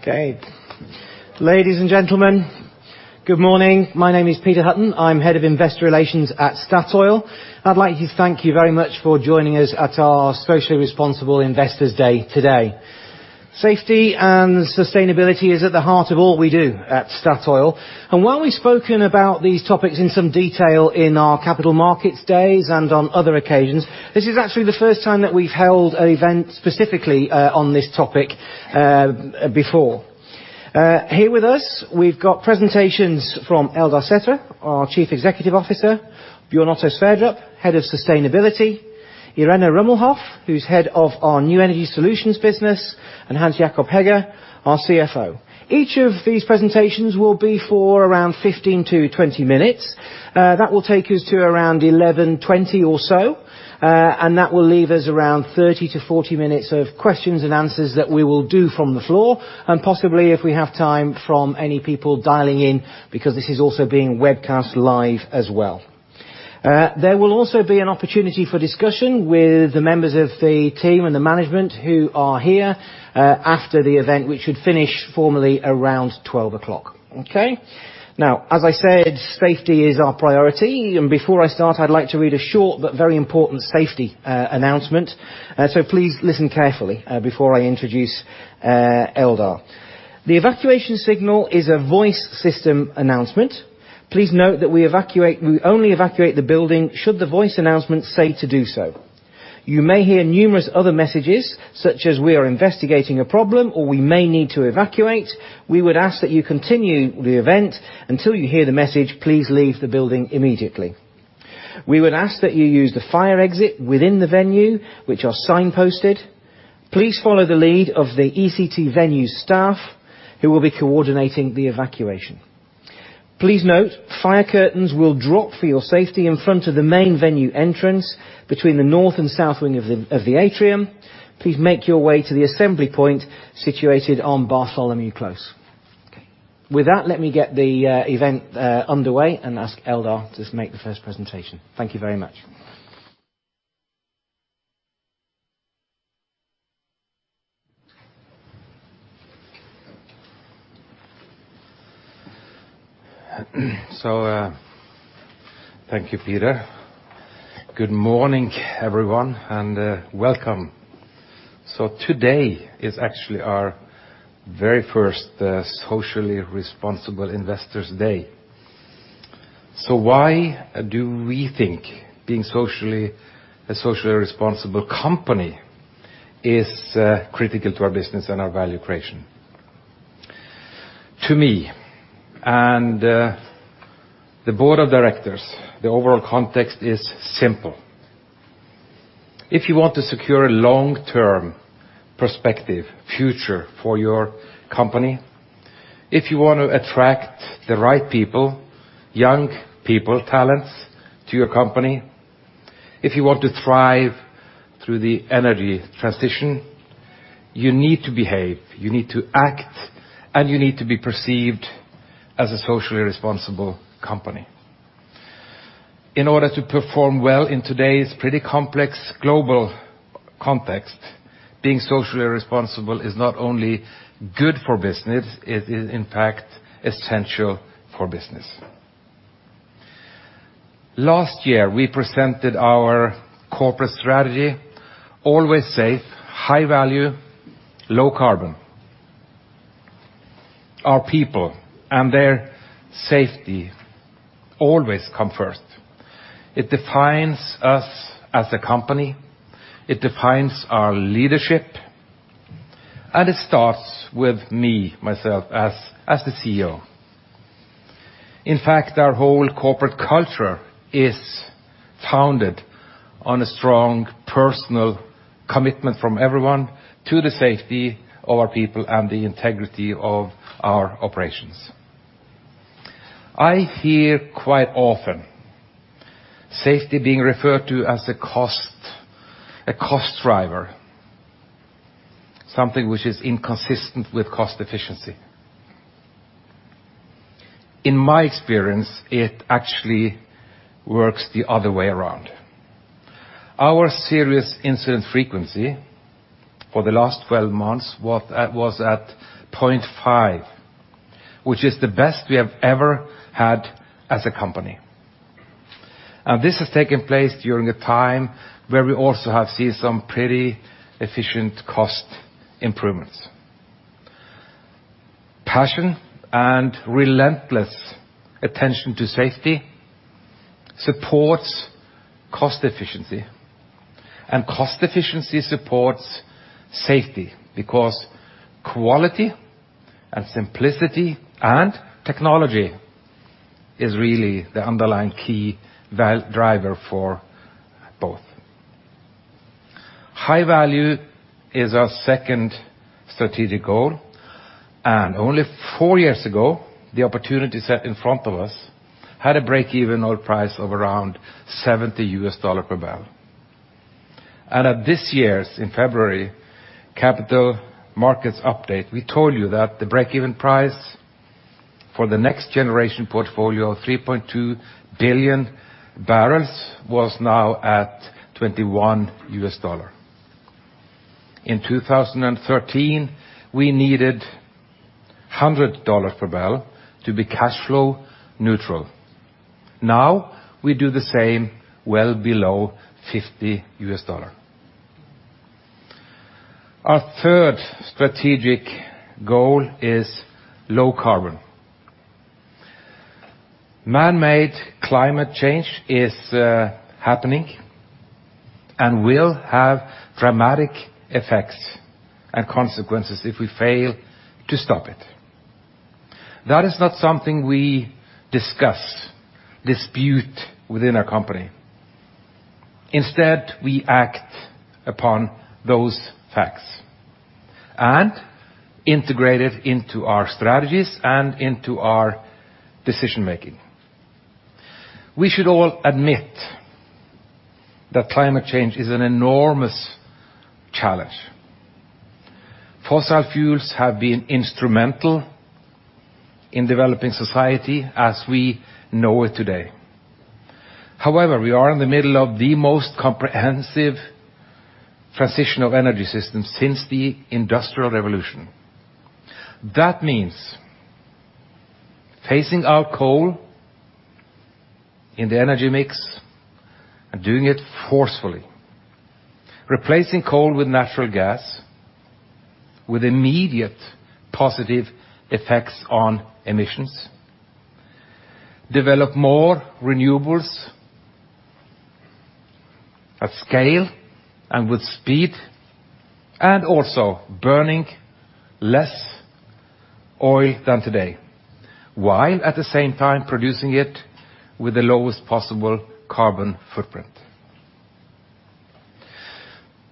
Okay. Ladies and gentlemen, good morning. My name is Peter Hutton. I am head of investor relations at Statoil. I would like to thank you very much for joining us at our socially responsible investors day today. Safety and sustainability is at the heart of all we do at Statoil, and while we have spoken about these topics in some detail in our capital markets days and on other occasions, this is actually the first time that we have held an event specifically on this topic, before. Here with us, we have got presentations from Eldar Sætre, our chief executive officer, Bjørn Otto Sverdrup, head of sustainability, Irene Rummelhoff, who is head of our New Energy Solutions business, and Hans Jakob Hegge, our CFO. Each of these presentations will be for around 15-20 minutes. That will take us to around 11:20 A.M. or so. That will leave us around 30-40 minutes of questions and answers that we will do from the floor, and possibly, if we have time, from any people dialing in, because this is also being webcast live as well. There will also be an opportunity for discussion with the members of the team and the management who are here, after the event, which should finish formally around 12:00 P.M. Okay? Now, as I said, safety is our priority. Before I start, I would like to read a short but very important safety announcement. Please listen carefully before I introduce Eldar. The evacuation signal is a voice system announcement. Please note that we only evacuate the building should the voice announcement say to do so. You may hear numerous other messages, such as, "We are investigating a problem" or, "We may need to evacuate." We would ask that you continue the event until you hear the message, "Please leave the building immediately." We would ask that you use the fire exit within the venue, which are signposted. Please follow the lead of the ECT venue staff, who will be coordinating the evacuation. Please note, fire curtains will drop for your safety in front of the main venue entrance between the north and south wing of the atrium. Please make your way to the assembly point situated on Bartholomew Close. Okay. With that, let me get the event underway and ask Eldar to make the first presentation. Thank you very much. Thank you, Peter. Good morning, everyone, and welcome. Today is actually our very first socially responsible investors day. Why do we think being a socially responsible company is critical to our business and our value creation? To me and the board of directors, the overall context is simple. If you want to secure a long-term prospective future for your company, if you want to attract the right people, young people, talents to your company, if you want to thrive through the energy transition, you need to behave, you need to act, and you need to be perceived as a socially responsible company. In order to perform well in today's pretty complex global context, being socially responsible is not only good for business, it is in fact essential for business. Last year, we presented our corporate strategy, Always Safe, High Value, Low Carbon. Our people and their safety always come first. It defines us as a company, it defines our leadership, and it starts with me, myself, as the CEO. In fact, our whole corporate culture is founded on a strong personal commitment from everyone to the safety of our people and the integrity of our operations. I hear quite often safety being referred to as a cost driver, something which is inconsistent with cost efficiency. In my experience, it actually works the other way around. Our serious incident frequency for the last 12 months was at 0.5, which is the best we have ever had as a company. This has taken place during a time where we also have seen some pretty efficient cost improvements. Passion and relentless attention to safety supports cost efficiency, and cost efficiency supports safety, because quality and simplicity and technology is really the underlying key driver for both. High value is our second strategic goal. Only four years ago, the opportunity set in front of us had a break-even oil price of around $70 US dollar per barrel. At this year's, in February, capital markets update, we told you that the break-even price for the next generation portfolio, 3.2 billion barrels was now at $21. In 2013, we needed $100 per barrel to be cash flow neutral. Now we do the same well below $50 US. Our third strategic goal is low carbon. Man-made climate change is happening and will have dramatic effects and consequences if we fail to stop it. That is not something we discuss, dispute within our company. Instead, we act upon those facts and integrate it into our strategies and into our decision-making. We should all admit that climate change is an enormous challenge. Fossil fuels have been instrumental in developing society as we know it today. However, we are in the middle of the most comprehensive transition of energy systems since the Industrial Revolution. That means phasing out coal in the energy mix and doing it forcefully. Replacing coal with natural gas with immediate positive effects on emissions. Develop more renewables at scale and with speed, and also burning less oil than today, while at the same time producing it with the lowest possible carbon footprint.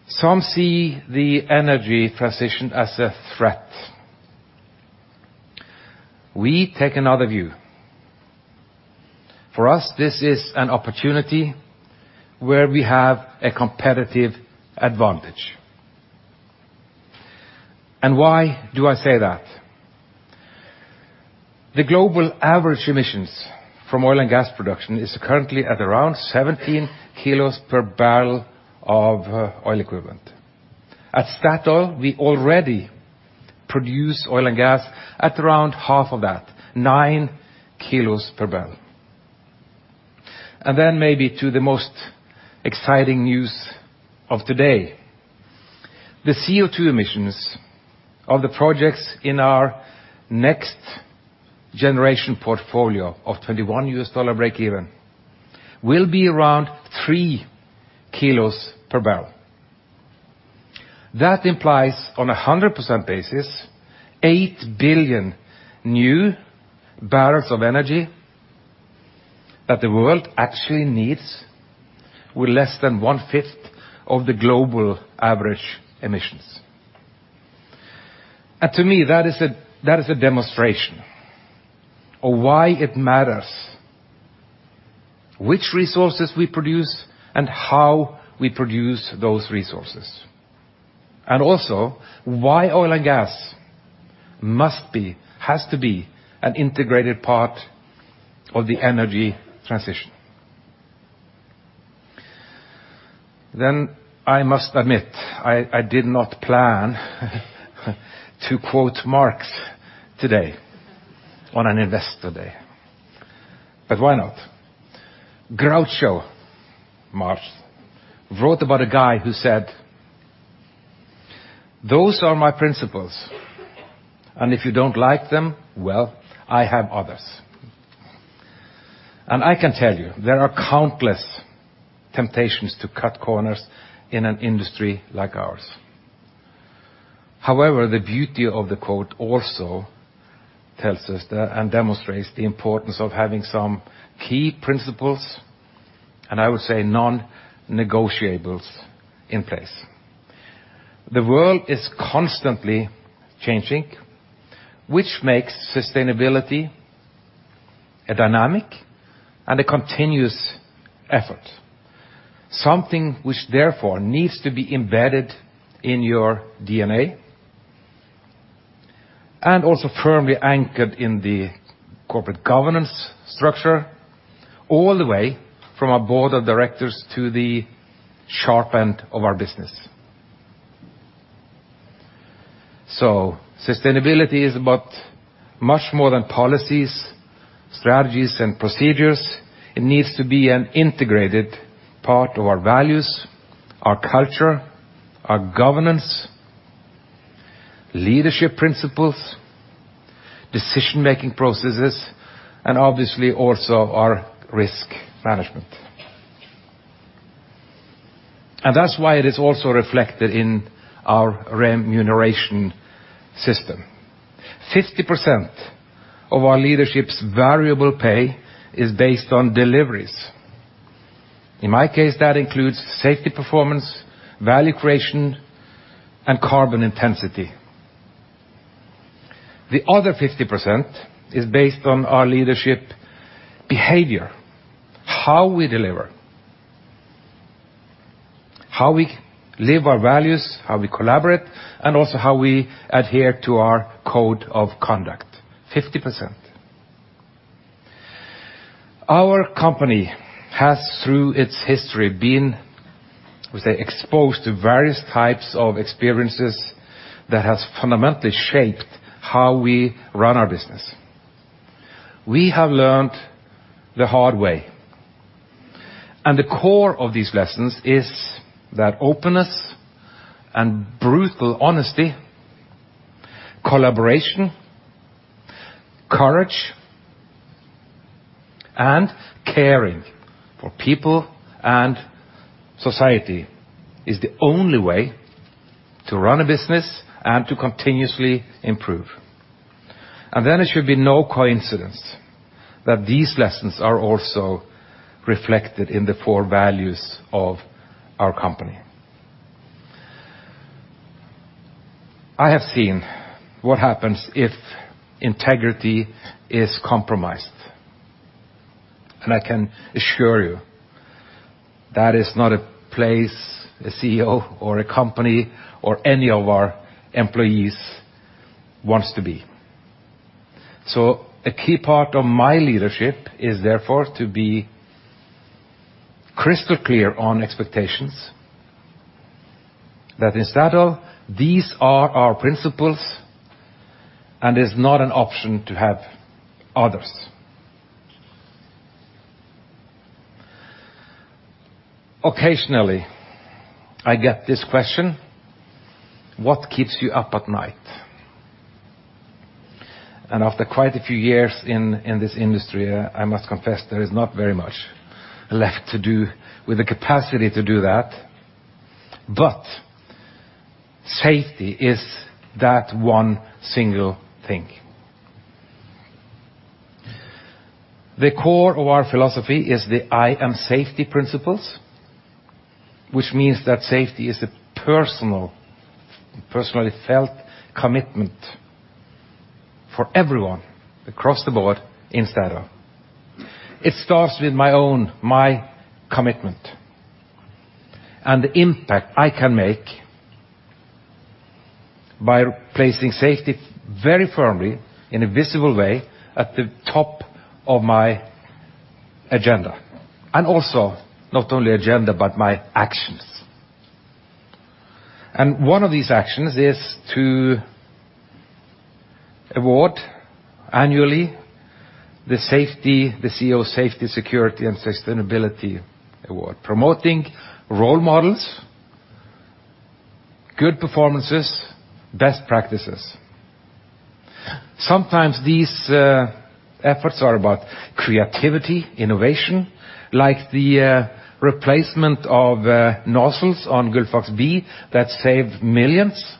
Some see the energy transition as a threat. We take another view. For us, this is an opportunity where we have a competitive advantage. Why do I say that? The global average emissions from oil and gas production is currently at around 17 kilos per barrel of oil equivalent. At Statoil, we already produce oil and gas at around half of that, nine kilos per barrel. Maybe to the most exciting news of today. The CO2 emissions of the projects in our next generation portfolio of NOK 21 US breakeven will be around three kilos per barrel. That implies, on 100% basis, 8 billion new barrels of energy that the world actually needs with less than one-fifth of the global average emissions. To me, that is a demonstration of why it matters which resources we produce and how we produce those resources. Also why oil and gas has to be an integrated part of the energy transition. I must admit, I did not plan to quote Marx today on an Investor Day. Why not? Groucho Marx wrote about a guy who said, "Those are my principles, and if you don't like them, well, I have others." I can tell you, there are countless temptations to cut corners in an industry like ours. However, the beauty of the quote also tells us that and demonstrates the importance of having some key principles, and I would say non-negotiables in place. The world is constantly changing, which makes sustainability a dynamic and a continuous effort. Something which therefore needs to be embedded in your DNA, and also firmly anchored in the corporate governance structure, all the way from our board of directors to the sharp end of our business. Sustainability is about much more than policies, strategies, and procedures. It needs to be an integrated part of our values, our culture, our governance, leadership principles, decision-making processes, and obviously also our risk management. That's why it is also reflected in our remuneration system. 50% of our leadership's variable pay is based on deliveries. In my case, that includes safety performance, value creation, and carbon intensity. The other 50% is based on our leadership behavior, how we live our values, how we collaborate, and also how we adhere to our code of conduct, 50%. Our company has, through its history, been, we say, exposed to various types of experiences that has fundamentally shaped how we run our business. We have learned the hard way, and the core of these lessons is that openness and brutal honesty, collaboration, courage, and caring for people and society is the only way to run a business and to continuously improve. It should be no coincidence that these lessons are also reflected in the four values of our company. I have seen what happens if integrity is compromised. I can assure you that is not a place a CEO or a company or any of our employees wants to be. A key part of my leadership is therefore to be crystal clear on expectations that in Statoil these are our principles and is not an option to have others. Occasionally, I get this question: What keeps you up at night? After quite a few years in this industry, I must confess there is not very much left to do with the capacity to do that, but safety is that one single thing. The core of our philosophy is the I Am Safety Principles, which means that safety is a personally felt commitment for everyone across the board in Statoil. It starts with my own, my commitment, and the impact I can make by placing safety very firmly in a visible way at the top of my agenda, and also not only agenda, but my actions. One of these actions is to award annually the CEO Safety, Security and Sustainability Award, promoting role models, good performances, best practices. Sometimes these efforts are about creativity, innovation, like the replacement of nozzles on Gullfaks B that saved NOK millions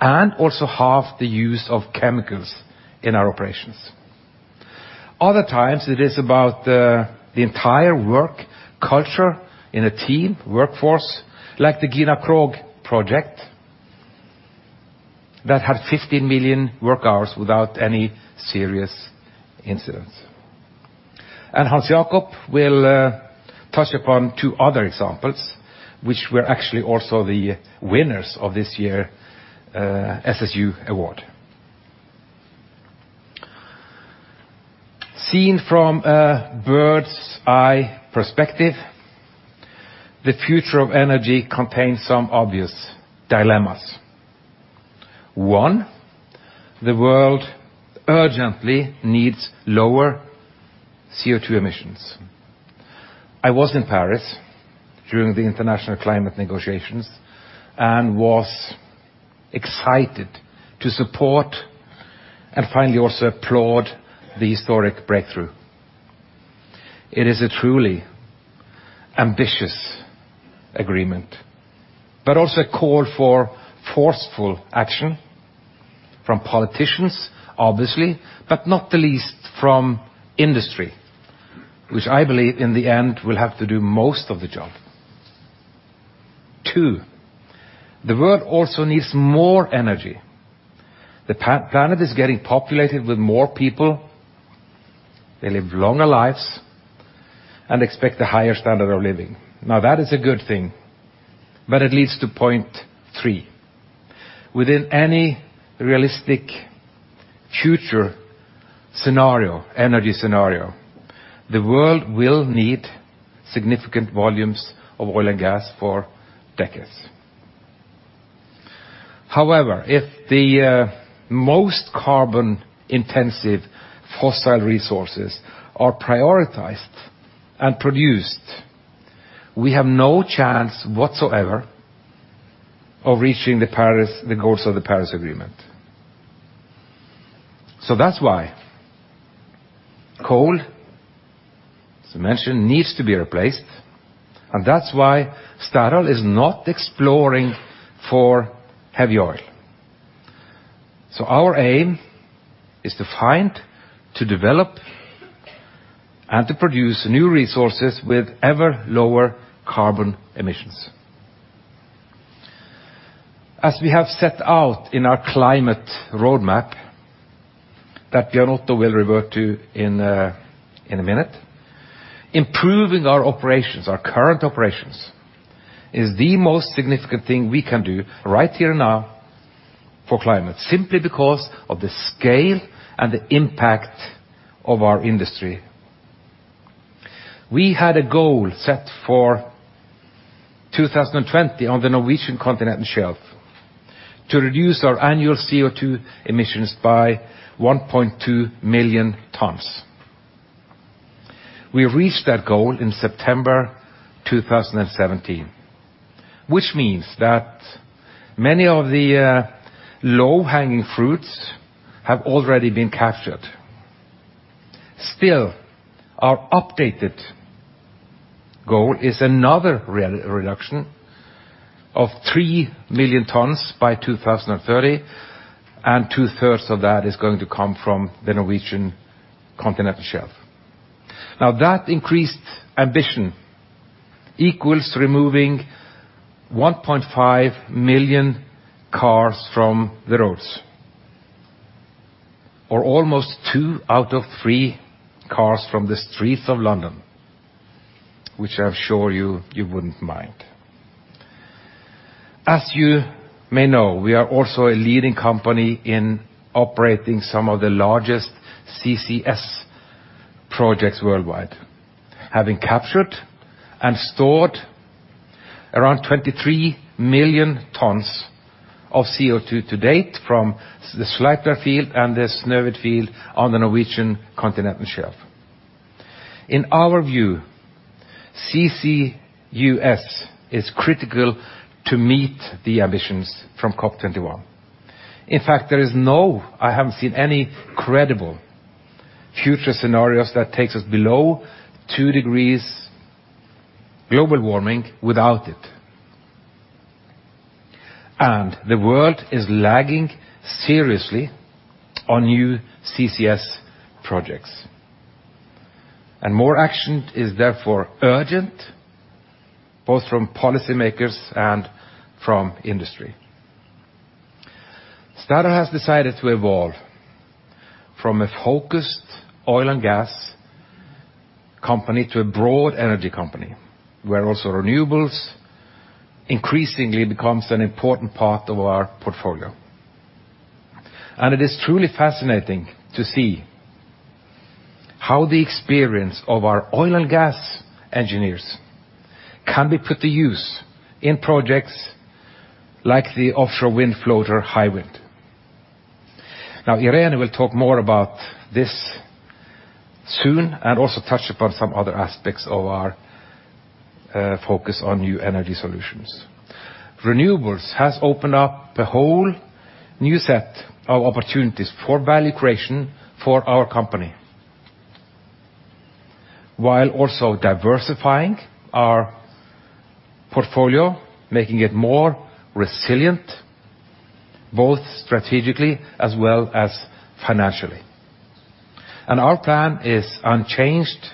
and also half the use of chemicals in our operations. Other times it is about the entire work culture in a team, workforce, like the Gina Krog project that had 15 million work hours without any serious incidents. Hans Jakob will touch upon two other examples, which were actually also the winners of this year SSU Award. Seen from a bird's eye perspective, the future of energy contains some obvious dilemmas. One, the world urgently needs lower CO2 emissions. I was in Paris during the international climate negotiations and was excited to support and finally also applaud the historic breakthrough. It is a truly ambitious agreement, but also a call for forceful action from politicians, obviously, but not the least from industry, which I believe in the end will have to do most of the job. Two, the world also needs more energy. The planet is getting populated with more people, they live longer lives, and expect a higher standard of living. That is a good thing, but it leads to point three. Within any realistic future energy scenario, the world will need significant volumes of oil and gas for decades. However, if the most carbon-intensive fossil resources are prioritized and produced, we have no chance whatsoever of reaching the goals of the Paris Agreement. That's why coal, as I mentioned, needs to be replaced, and that's why Statoil is not exploring for heavy oil. Our aim is to find, to develop, and to produce new resources with ever-lower carbon emissions. As we have set out in our climate roadmap that Bjørn Otto will revert to in a minute, improving our current operations is the most significant thing we can do right here now for climate, simply because of the scale and the impact of our industry. We had a goal set for 2020 on the Norwegian Continental Shelf to reduce our annual CO2 emissions by 1.2 million tons. We reached that goal in September 2017, which means that many of the low-hanging fruits have already been captured. Still, our updated goal is another reduction of 3 million tons by 2030, and two-thirds of that is going to come from the Norwegian Continental Shelf. That increased ambition equals removing 1.5 million cars from the roads or almost two out of three cars from the streets of London, which I'm sure you wouldn't mind. As you may know, we are also a leading company in operating some of the largest CCS projects worldwide, having captured and stored around 23 million tons of CO2 to date from the Sleipner field and the Snøhvit field on the Norwegian Continental Shelf. In our view, CCUS is critical to meet the ambitions from COP 21. In fact, I haven't seen any credible future scenarios that takes us below two degrees global warming without it. The world is lagging seriously on new CCS projects. More action is therefore urgent, both from policymakers and from industry. Statoil has decided to evolve from a focused oil and gas company to a broad energy company, where also renewables increasingly becomes an important part of our portfolio. It is truly fascinating to see how the experience of our oil and gas engineers can be put to use in projects like the offshore wind floater Hywind. Irene will talk more about this soon and also touch upon some other aspects of our focus on New Energy Solutions. Renewables has opened up a whole new set of opportunities for value creation for our company, while also diversifying our portfolio, making it more resilient, both strategically as well as financially. Our plan is unchanged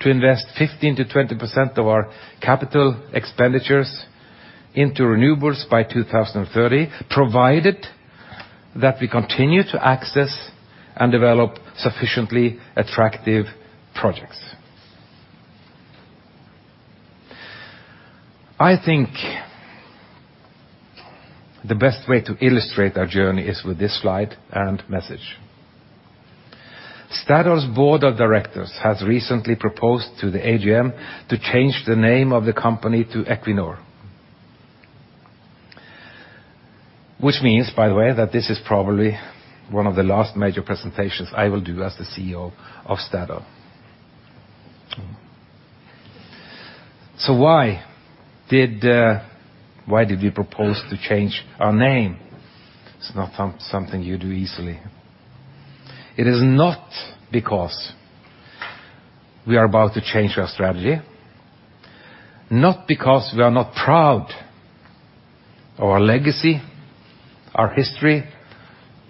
to invest 15%-20% of our capital expenditures into renewables by 2030, provided that we continue to access and develop sufficiently attractive projects. I think the best way to illustrate our journey is with this slide and message. Statoil's Board of Directors has recently proposed to the AGM to change the name of the company to Equinor. Which means, by the way, that this is probably one of the last major presentations I will do as the CEO of Statoil. Why did we propose to change our name? It's not something you do easily. It is not because we are about to change our strategy, not because we are not proud of our legacy, our history,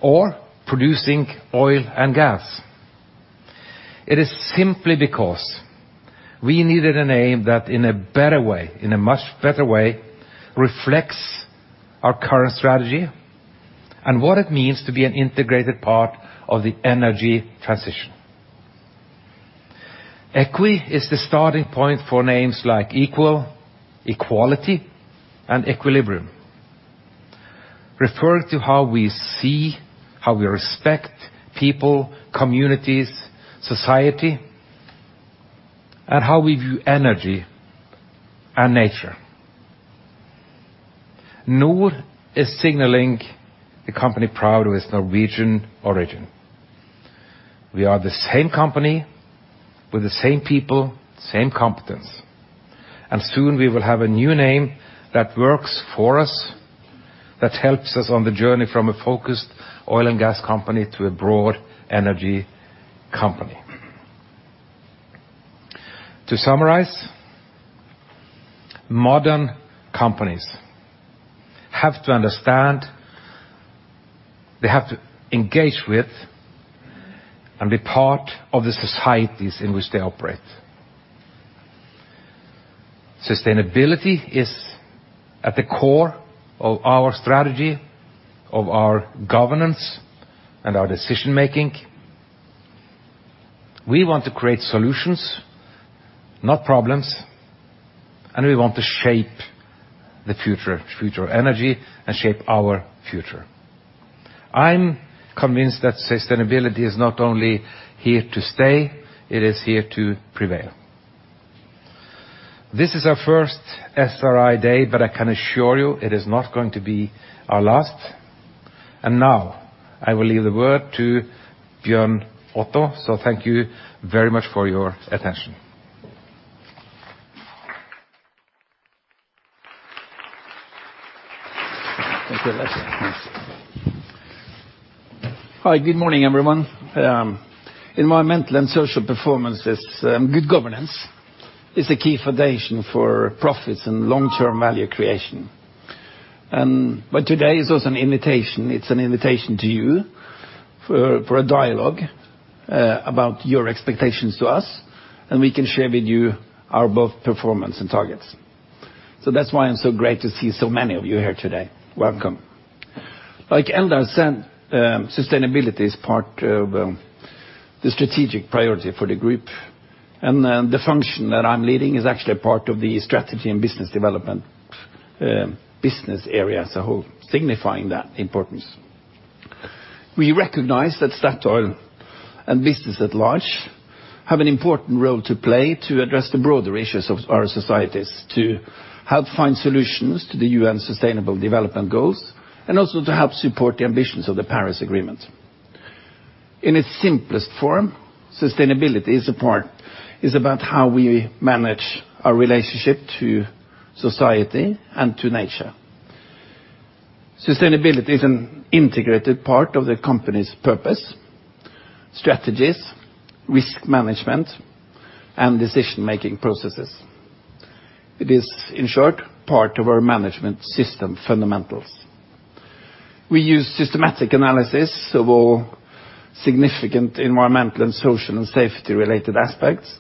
or producing oil and gas. It is simply because we needed a name that in a much better way reflects our current strategy and what it means to be an integrated part of the energy transition. Equi is the starting point for names like equal, equality, and equilibrium, referring to how we see, how we respect people, communities, society, and how we view energy and nature. Nor is signaling a company proud of its Norwegian origin. We are the same company with the same people, same competence, and soon we will have a new name that works for us, that helps us on the journey from a focused oil and gas company to a broad energy company. To summarize, modern companies have to understand, they have to engage with, and be part of the societies in which they operate. Sustainability is at the core of our strategy, of our governance, and our decision-making. We want to create solutions, not problems, and we want to shape the future of energy and shape our future. I'm convinced that sustainability is not only here to stay, it is here to prevail. This is our first SRI Day, but I can assure you it is not going to be our last. Now I will leave the word to Bjørn Otto. Thank you very much for your attention. Thank you, Eldar. Hi, good morning, everyone. Environmental and social performance with good governance is a key foundation for profits and long-term value creation. Today is also an invitation. It's an invitation to you for a dialogue about your expectations to us, and we can share with you our both performance and targets. That's why it's so great to see so many of you here today. Welcome. Like Eldar said, sustainability is part of the strategic priority for the group. The function that I'm leading is actually a part of the Strategy and Business Development Business Area as a whole, signifying that importance. We recognize that Statoil and business at large have an important role to play to address the broader issues of our societies, to help find solutions to the UN Sustainable Development Goals, and also to help support the ambitions of the Paris Agreement. In its simplest form, sustainability is about how we manage our relationship to society and to nature. Sustainability is an integrated part of the company's purpose, strategies, risk management, and decision-making processes. It is, in short, part of our management system fundamentals. We use systematic analysis of all significant environmental and social and safety-related aspects,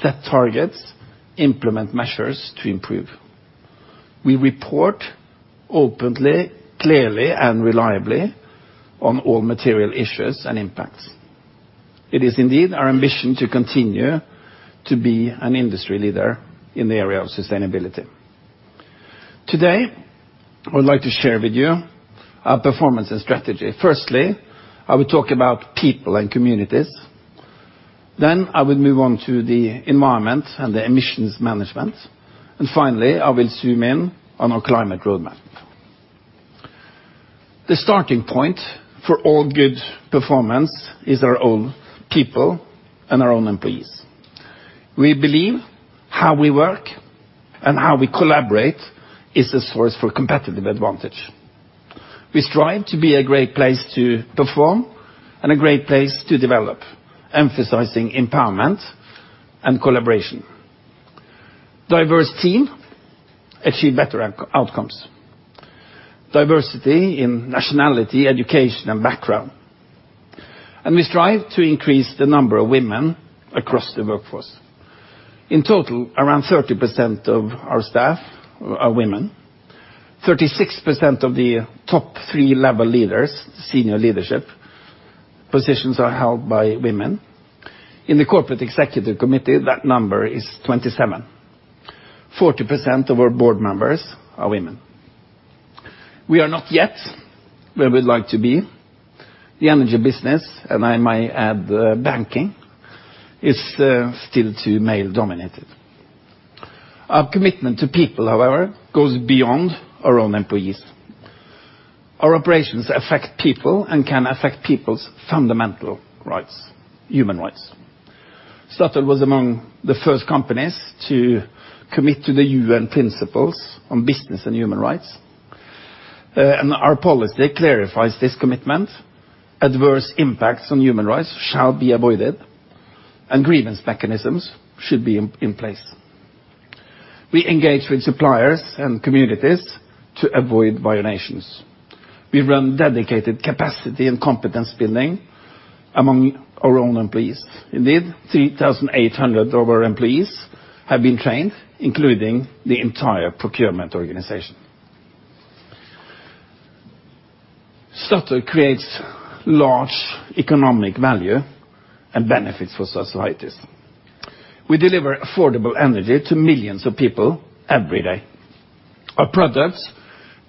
set targets, implement measures to improve. We report openly, clearly, and reliably on all material issues and impacts. It is indeed our ambition to continue to be an industry leader in the area of sustainability. Today, I would like to share with you our performance and strategy. Firstly, I will talk about people and communities. I will move on to the environment and the emissions management. Finally, I will zoom in on our climate roadmap. The starting point for all good performance is our own people and our own employees. We believe how we work and how we collaborate is a source for competitive advantage. We strive to be a great place to perform and a great place to develop, emphasizing empowerment and collaboration. Diverse team achieve better outcomes. Diversity in nationality, education, and background. We strive to increase the number of women across the workforce. In total, around 30% of our staff are women. 36% of the top 3 level leaders, senior leadership positions, are held by women. In the corporate executive committee, that number is 27. 40% of our board members are women. We are not yet where we'd like to be. The energy business, and I might add banking, is still too male-dominated. Our commitment to people, however, goes beyond our own employees. Our operations affect people and can affect people's fundamental rights, human rights. Statoil was among the first companies to commit to the UN Principles on business and human rights. Our policy clarifies this commitment. Adverse impacts on human rights shall be avoided, and grievance mechanisms should be in place. We engage with suppliers and communities to avoid violations. We run dedicated capacity and competence building among our own employees. Indeed, 3,800 of our employees have been trained, including the entire procurement organization. Statoil creates large economic value and benefits for societies. We deliver affordable energy to millions of people every day. Our products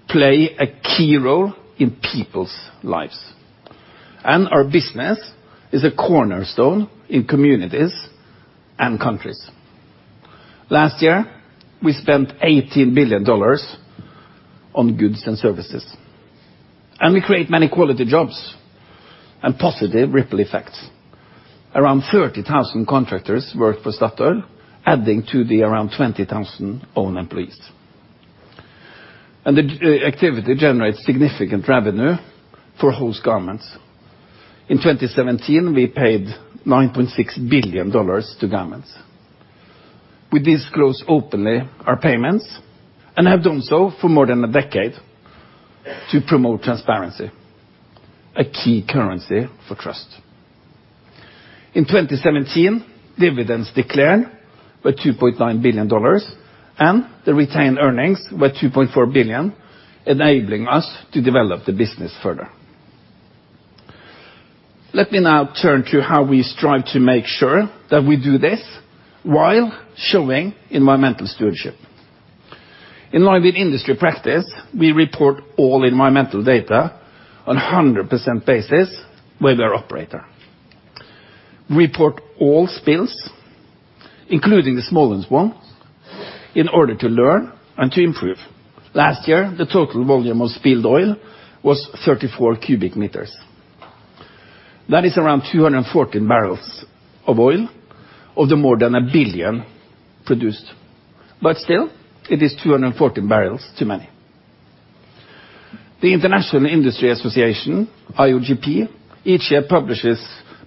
play a key role in people's lives. Our business is a cornerstone in communities and countries. Last year, we spent NOK 18 billion on goods and services, and we create many quality jobs and positive ripple effects. Around 30,000 contractors work for Statoil, adding to the around 20,000 own employees. The activity generates significant revenue for host governments. In 2017, we paid NOK 9.6 billion to governments. We disclose openly our payments, and have done so for more than a decade to promote transparency, a key currency for trust. In 2017, dividends declared were NOK 2.9 billion, and the retained earnings were 2.4 billion, enabling us to develop the business further. Let me now turn to how we strive to make sure that we do this while showing environmental stewardship. In line with industry practice, we report all environmental data on 100% basis with our operator. We report all spills, including the smallest ones, in order to learn and to improve. Last year, the total volume of spilled oil was 34 cubic meters. That is around 214 barrels of oil of the more than a billion produced. Still, it is 214 barrels too many. The International Industry Association, IOGP, each year publishes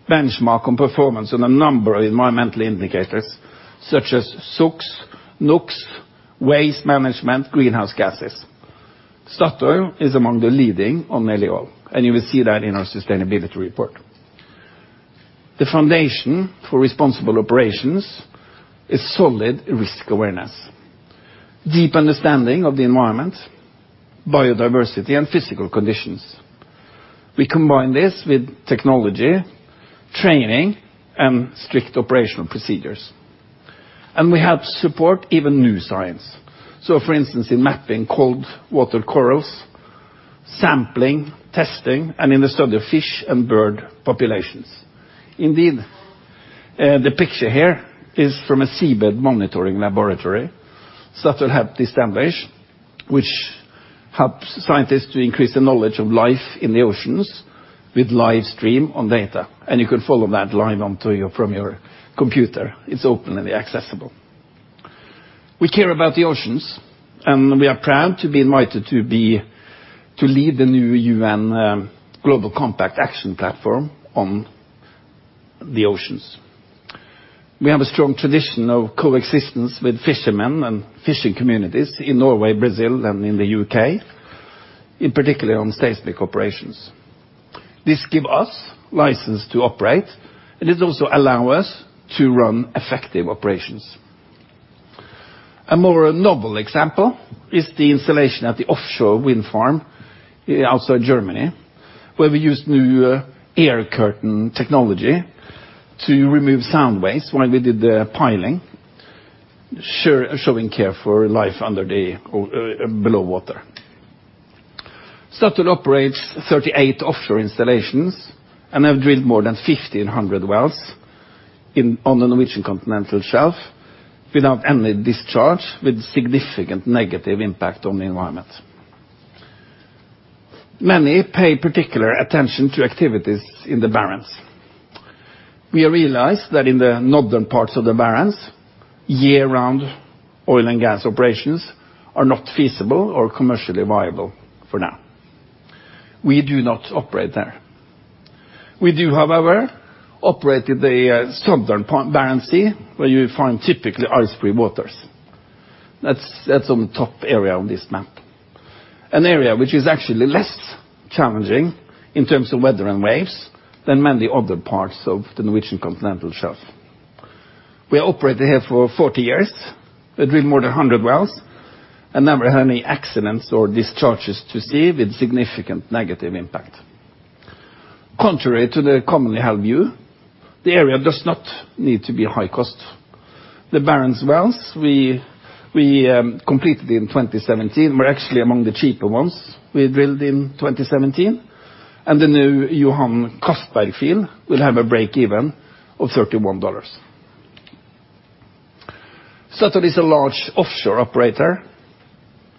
benchmark on performance on a number of environmental indicators such as SOx, NOx, waste management, greenhouse gases. Statoil is among the leading on nearly all, and you will see that in our sustainability report. The foundation for responsible operations is solid risk awareness, deep understanding of the environment, biodiversity, and physical conditions. We combine this with technology, training, and strict operational procedures. We help support even new science. For instance, in mapping cold water corals, sampling, testing, and in the study of fish and bird populations. Indeed, the picture here is from a seabed monitoring laboratory Statoil helped establish, which helps scientists to increase the knowledge of life in the oceans with live stream on data. You can follow that live from your computer. It's openly accessible. We care about the oceans, and we are proud to be invited to lead the new UN Global Compact Action Platform on the oceans. We have a strong tradition of coexistence with fishermen and fishing communities in Norway, Brazil, and in the U.K., in particular on Statoil operations. This give us license to operate, and it also allow us to run effective operations. A more novel example is the installation at the offshore wind farm outside Germany, where we used new air curtain technology to remove sound waves while we did the piling, showing care for life below water. Statoil operates 38 offshore installations and have drilled more than 1,500 wells on the Norwegian Continental Shelf without any discharge with significant negative impact on the environment. Many pay particular attention to activities in the Barents. We realize that in the northern parts of the Barents, year-round oil and gas operations are not feasible or commercially viable for now. We do not operate there. We do, however, operate in the southern Barents Sea, where you find typically ice-free waters. That's on the top area of this map. An area which is actually less challenging in terms of weather and waves than many other parts of the Norwegian Continental Shelf. We have operated here for 40 years. We drill more than 100 wells and never had any accidents or discharges to sea with significant negative impact. Contrary to the commonly held view, the area does not need to be high cost. The Barents wells we completed in 2017 were actually among the cheaper ones we drilled in 2017, and the new Johan Castberg field will have a break even of $31. Statoil is a large offshore operator.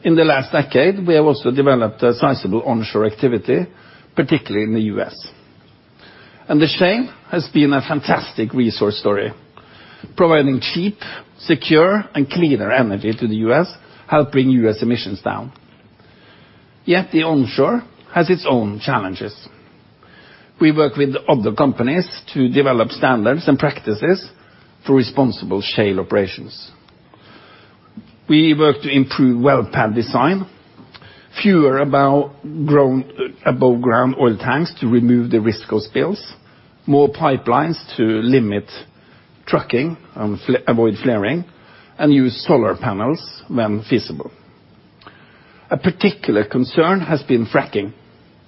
In the last decade, we have also developed a sizable onshore activity, particularly in the U.S. The shale has been a fantastic resource story, providing cheap, secure, and cleaner energy to the U.S., helping U.S. emissions down. Yet the onshore has its own challenges. We work with other companies to develop standards and practices for responsible shale operations. We work to improve well pad design, fewer above ground oil tanks to remove the risk of spills, more pipelines to limit trucking and avoid flaring, and use solar panels when feasible. A particular concern has been fracking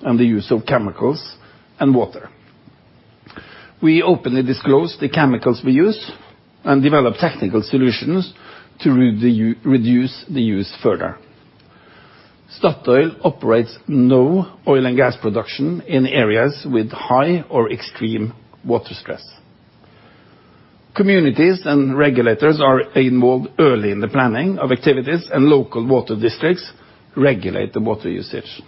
and the use of chemicals and water. We openly disclose the chemicals we use and develop technical solutions to reduce the use further. Statoil operates no oil and gas production in areas with high or extreme water stress. Communities and regulators are involved early in the planning of activities, and local water districts regulate the water usage.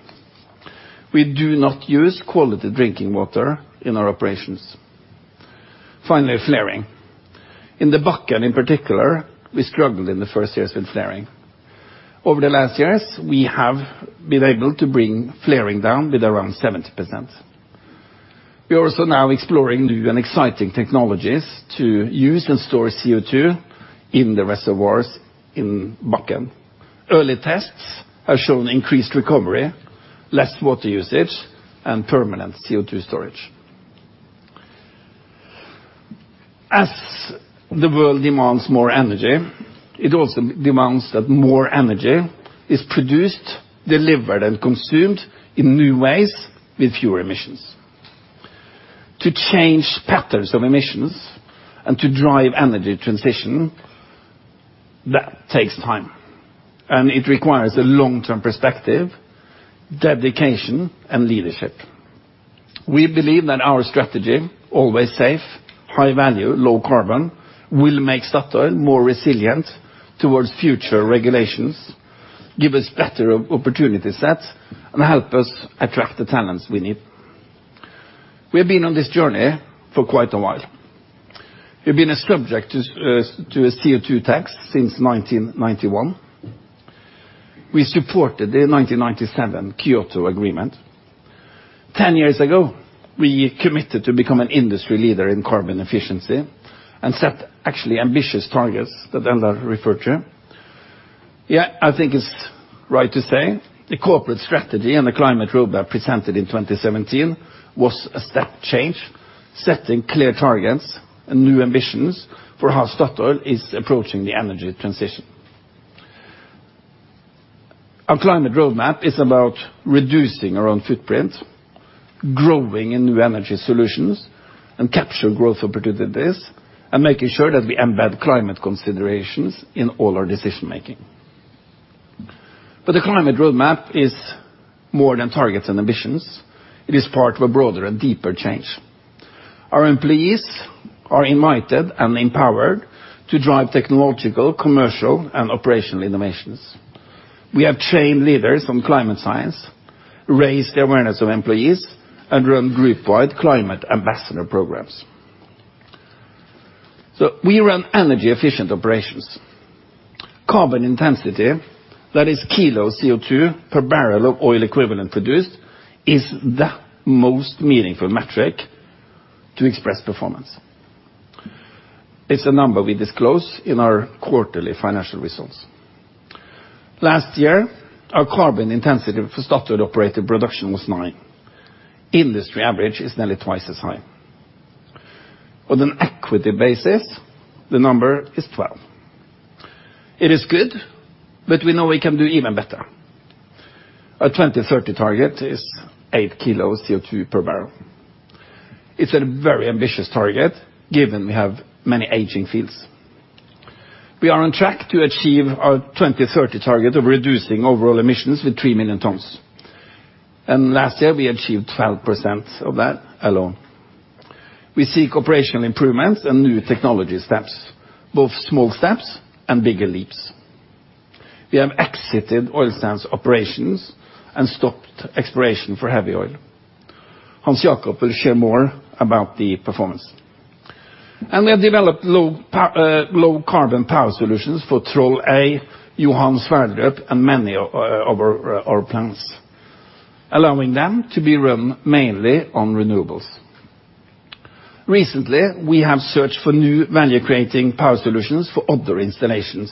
We do not use quality drinking water in our operations. Finally, flaring. In the Bakken, in particular, we struggled in the first years with flaring. Over the last years, we have been able to bring flaring down with around 70%. We are also now exploring new and exciting technologies to use and store CO2 in the reservoirs in Bakken. Early tests have shown increased recovery, less water usage, and permanent CO2 storage. As the world demands more energy, it also demands that more energy is produced, delivered, and consumed in new ways with fewer emissions. To change patterns of emissions and to drive energy transition, that takes time, and it requires a long-term perspective, dedication, and leadership. We believe that our strategy, always safe, high value, low carbon, will make Statoil more resilient towards future regulations, give us better opportunity sets, and help us attract the talents we need. We have been on this journey for quite a while. We've been a subject to a CO2 tax since 1991. We supported the 1997 Kyoto Agreement. 10 years ago, we committed to become an industry leader in carbon efficiency and set actually ambitious targets that Eldar referred to. I think it's right to say the corporate strategy and the climate roadmap presented in 2017 was a step change, setting clear targets and new ambitions for how Statoil is approaching the energy transition. Our climate roadmap is about reducing our own footprint, growing in New Energy Solutions, and capture growth opportunities, and making sure that we embed climate considerations in all our decision-making. The climate roadmap is more than targets and ambitions. It is part of a broader and deeper change. Our employees are invited and empowered to drive technological, commercial, and operational innovations. We have trained leaders on climate science, raised the awareness of employees, and run group-wide climate ambassador programs. We run energy-efficient operations. Carbon intensity that is kilo CO2 per barrel of oil equivalent produced is the most meaningful metric to express performance. It's a number we disclose in our quarterly financial results. Last year, our carbon intensity for Statoil-operated production was nine. Industry average is nearly twice as high. On an equity basis, the number is 12. It is good, but we know we can do even better. Our 2030 target is eight kilos CO2 per barrel. It's a very ambitious target given we have many aging fields. We are on track to achieve our 2030 target of reducing overall emissions with three million tons. Last year, we achieved 12% of that alone. We seek operational improvements and new technology steps, both small steps and bigger leaps. We have exited oil sands operations and stopped exploration for heavy oil. Hans Jakob will share more about the performance. We have developed low carbon power solutions for Troll A, Johan Sverdrup, and many of our plants, allowing them to be run mainly on renewables. Recently, we have searched for new value-creating power solutions for other installations,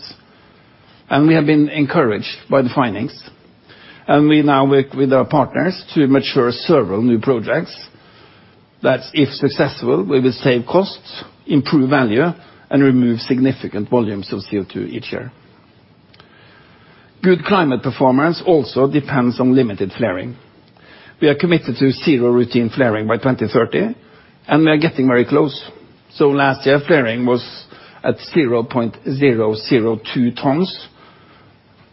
and we have been encouraged by the findings, and we now work with our partners to mature several new projects that if successful, we will save costs, improve value, and remove significant volumes of CO2 each year. Good climate performance also depends on limited flaring. We are committed to zero routine flaring by 2030. We are getting very close. Last year, flaring was at 0.002 tons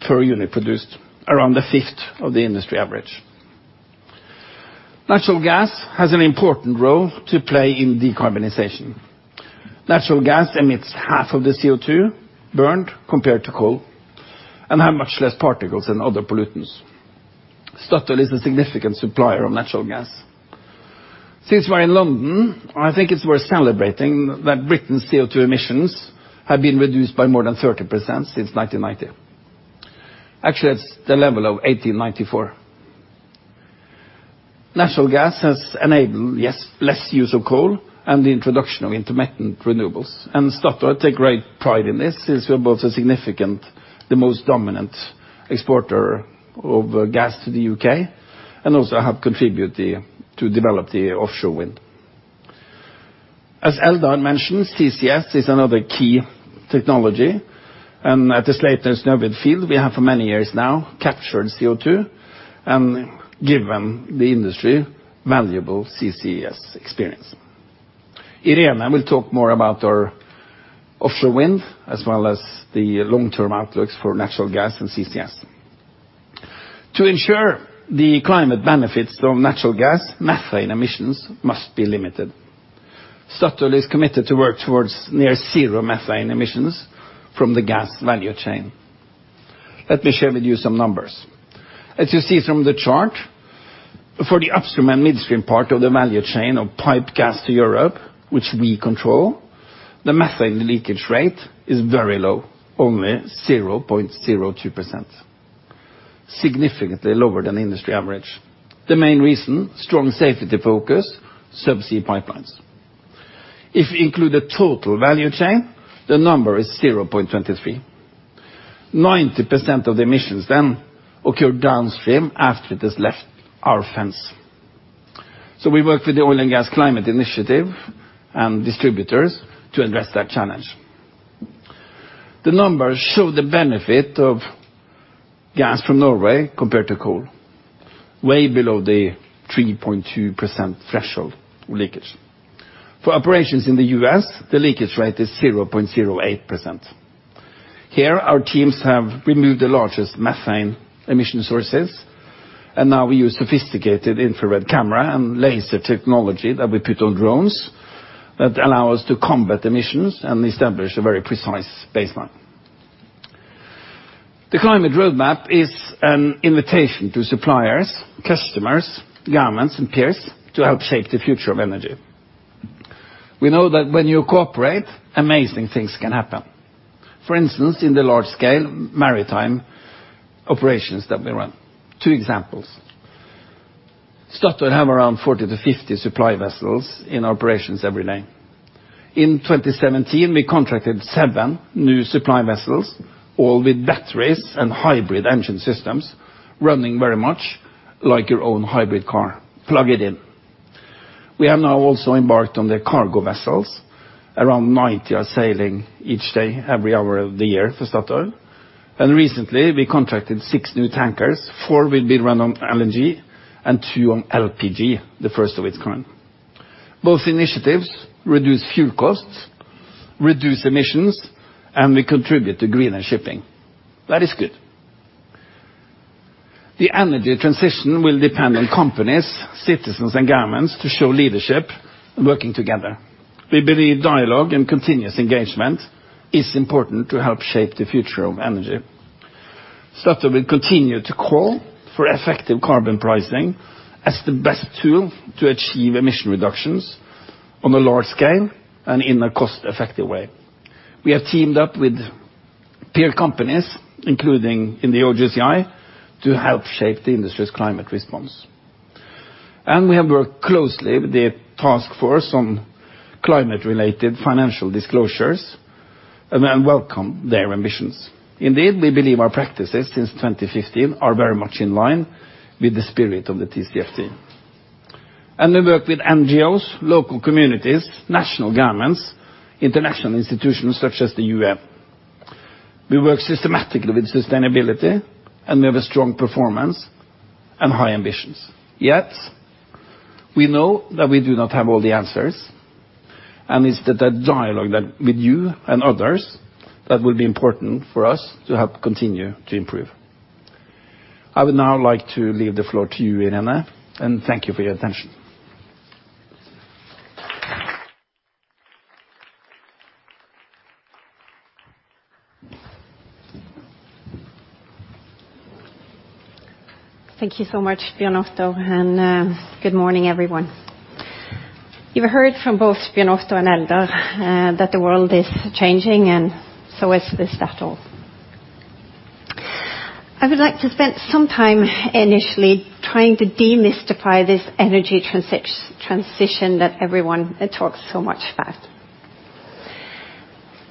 per unit produced, around a fifth of the industry average. Natural gas has an important role to play in decarbonization. Natural gas emits half of the CO2 burned compared to coal and has much less particles than other pollutants. Equinor is a significant supplier of natural gas. Since we're in London, I think it's worth celebrating that Britain's CO2 emissions have been reduced by more than 30% since 1990. Actually, it's the level of 1894. Natural gas has enabled less use of coal and the introduction of intermittent renewables. Equinor takes great pride in this since we're both a significant, the most dominant exporter of gas to the U.K., and also have contributed to develop the offshore wind. As Eldar mentioned, CCS is another key technology. At the Sleipner and Snøhvit field, we have for many years now captured CO2 and given the industry valuable CCS experience. Irene will talk more about our offshore wind as well as the long-term outlooks for natural gas and CCS. To ensure the climate benefits of natural gas, methane emissions must be limited. Equinor is committed to work towards near zero methane emissions from the gas value chain. Let me share with you some numbers. As you see from the chart, for the upstream and midstream part of the value chain of piped gas to Europe, which we control, the methane leakage rate is very low, only 0.02%. Significantly lower than industry average. The main reason, strong safety focus, subsea pipelines. If we include the total value chain, the number is 0.23. 90% of the emissions occur downstream after it has left our fence. We work with the Oil and Gas Climate Initiative and distributors to address that challenge. The numbers show the benefit of gas from Norway compared to coal, way below the 3.2% threshold leakage. For operations in the U.S., the leakage rate is 0.08%. Here, our teams have removed the largest methane emission sources. We use sophisticated infrared camera and laser technology that we put on drones that allow us to combat emissions and establish a very precise baseline. The climate roadmap is an invitation to suppliers, customers, governments, and peers to help shape the future of energy. We know that when you cooperate, amazing things can happen. For instance, in the large-scale maritime operations that we run. Two examples. Equinor has around 40 to 50 supply vessels in operations every day. In 2017, we contracted seven new supply vessels, all with batteries and hybrid engine systems, running very much like your own hybrid car. Plug it in. We have now also embarked on the cargo vessels. Around 90 are sailing each day, every hour of the year for Equinor. Recently, we contracted six new tankers. Four will be run on LNG and two on LPG, the first of its kind. Both initiatives reduce fuel costs, reduce emissions, and will contribute to greener shipping. That is good. The energy transition will depend on companies, citizens, and governments to show leadership working together. We believe dialogue and continuous engagement is important to help shape the future of energy. Equinor will continue to call for effective carbon pricing as the best tool to achieve emission reductions on a large scale and in a cost-effective way. We have teamed up with peer companies, including in the OGCI, to help shape the industry's climate response. We have worked closely with the Task Force on Climate-related Financial Disclosures, and we welcome their ambitions. Indeed, we believe our practices since 2015 are very much in line with the spirit of the TCFD. We work with NGOs, local communities, national governments, international institutions such as the UN. We work systematically with sustainability, and we have a strong performance and high ambitions. Yet, we know that we do not have all the answers, and it's the dialogue with you and others that will be important for us to help continue to improve. I would now like to leave the floor to you, Irene, and thank you for your attention. Thank you so much, Bjørn Otto, and good morning, everyone. You've heard from both Bjørn Otto and Eldar that the world is changing, and so is Statoil. I would like to spend some time initially trying to demystify this energy transition that everyone talks so much about.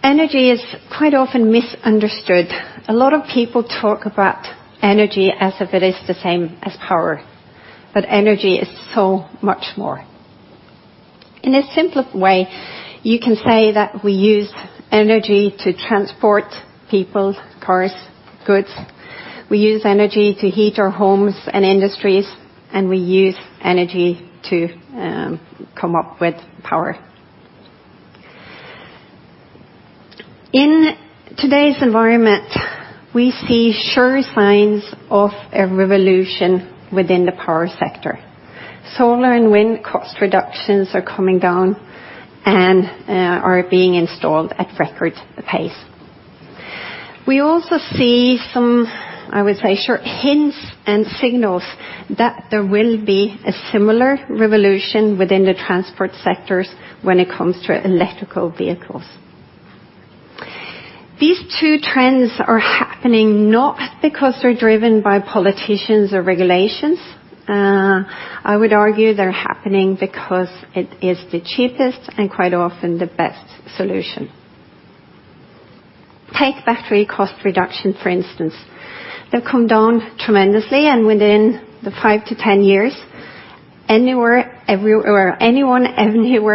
Energy is quite often misunderstood. A lot of people talk about energy as if it is the same as power, but energy is so much more. In a simpler way, you can say that we use energy to transport people, cars, goods, we use energy to heat our homes and industries, and we use energy to come up with power. In today's environment, we see sure signs of a revolution within the power sector. Solar and wind cost reductions are coming down and are being installed at record pace. We also see some, I would say, sure hints and signals that there will be a similar revolution within the transport sectors when it comes to electrical vehicles. These two trends are happening not because they're driven by politicians or regulations. I would argue they're happening because it is the cheapest and quite often the best solution. Take battery cost reduction, for instance. They've come down tremendously, and within the 5 to 10 years, anyone, anywhere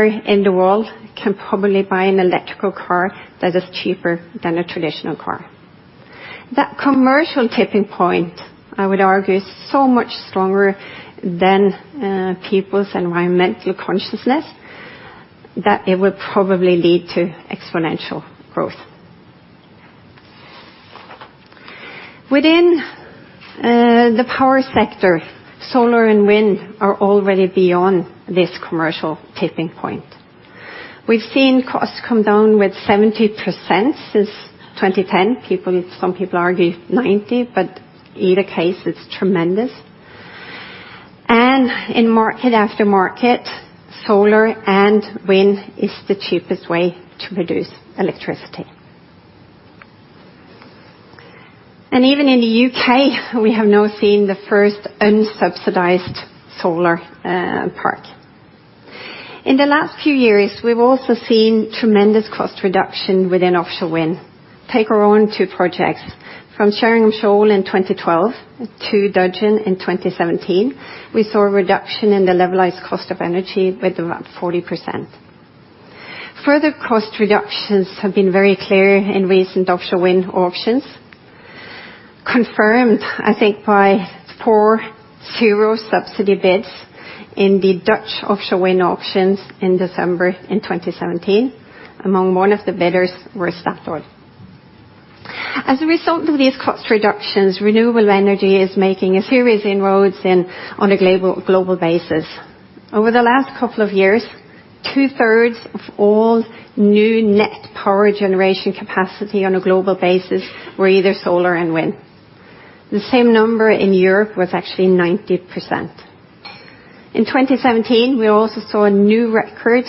in the world can probably buy an electrical car that is cheaper than a traditional car. That commercial tipping point, I would argue, is so much stronger than people's environmental consciousness that it will probably lead to exponential growth. Within the power sector, solar and wind are already beyond this commercial tipping point. We've seen costs come down with 70% since 2010. Some people argue 90. Either case, it's tremendous. In market after market, solar and wind is the cheapest way to produce electricity. Even in the U.K., we have now seen the first unsubsidized solar park. In the last few years, we've also seen tremendous cost reduction within offshore wind. Take our own two projects. From Sheringham Shoal in 2012 to Dudgeon in 2017, we saw a reduction in the levelized cost of energy with about 40%. Further cost reductions have been very clear in recent offshore wind auctions, confirmed, I think by four zero-subsidy bids in the Dutch offshore wind auctions in December 2017, among one of the bidders was Statoil. As a result of these cost reductions, renewable energy is making a serious inroads on a global basis. Over the last couple of years, two-thirds of all new net power generation capacity on a global basis were either solar and wind. The same number in Europe was actually 90%. In 2017, we also saw a new record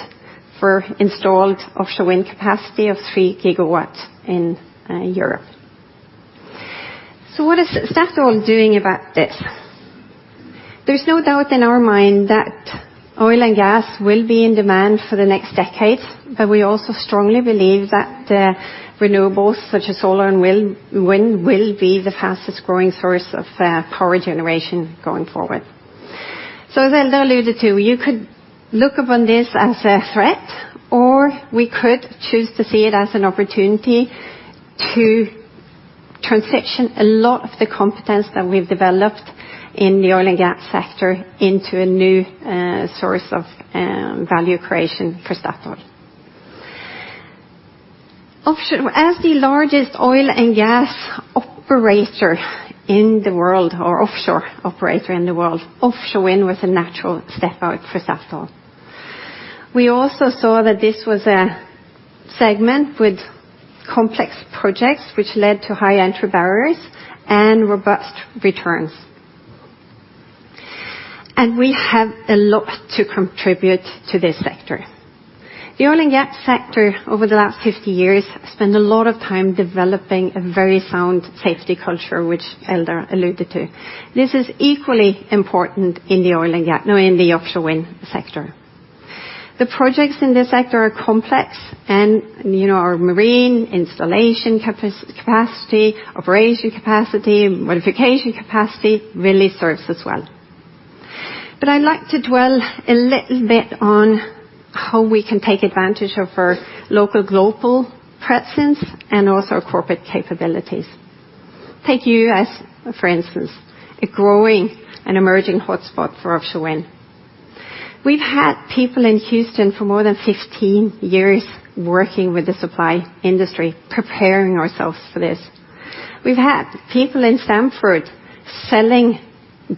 for installed offshore wind capacity of 3 gigawatts in Europe. What is Statoil doing about this? There is no doubt in our mind that oil and gas will be in demand for the next decade, we also strongly believe that the renewables such as solar and wind will be the fastest-growing source of power generation going forward. As Eldar alluded to, you could look upon this as a threat, we could choose to see it as an opportunity to transition a lot of the competence that we have developed in the oil and gas sector into a new source of value creation for Statoil. As the largest oil and gas operator in the world, or offshore operator in the world, offshore wind was a natural step out for Statoil. We also saw that this was a segment with complex projects which led to high entry barriers and robust returns. We have a lot to contribute to this sector. The oil and gas sector over the last 50 years spent a lot of time developing a very sound safety culture, which Eldar alluded to. This is equally important in the offshore wind sector. The projects in this sector are complex and our marine installation capacity, operation capacity, modification capacity really serves us well. I would like to dwell a little bit on how we can take advantage of our local global presence and also our corporate capabilities. Take U.S., for instance, a growing and emerging hotspot for offshore wind. We have had people in Houston for more than 15 years working with the supply industry, preparing ourselves for this. We have had people in Stamford selling gas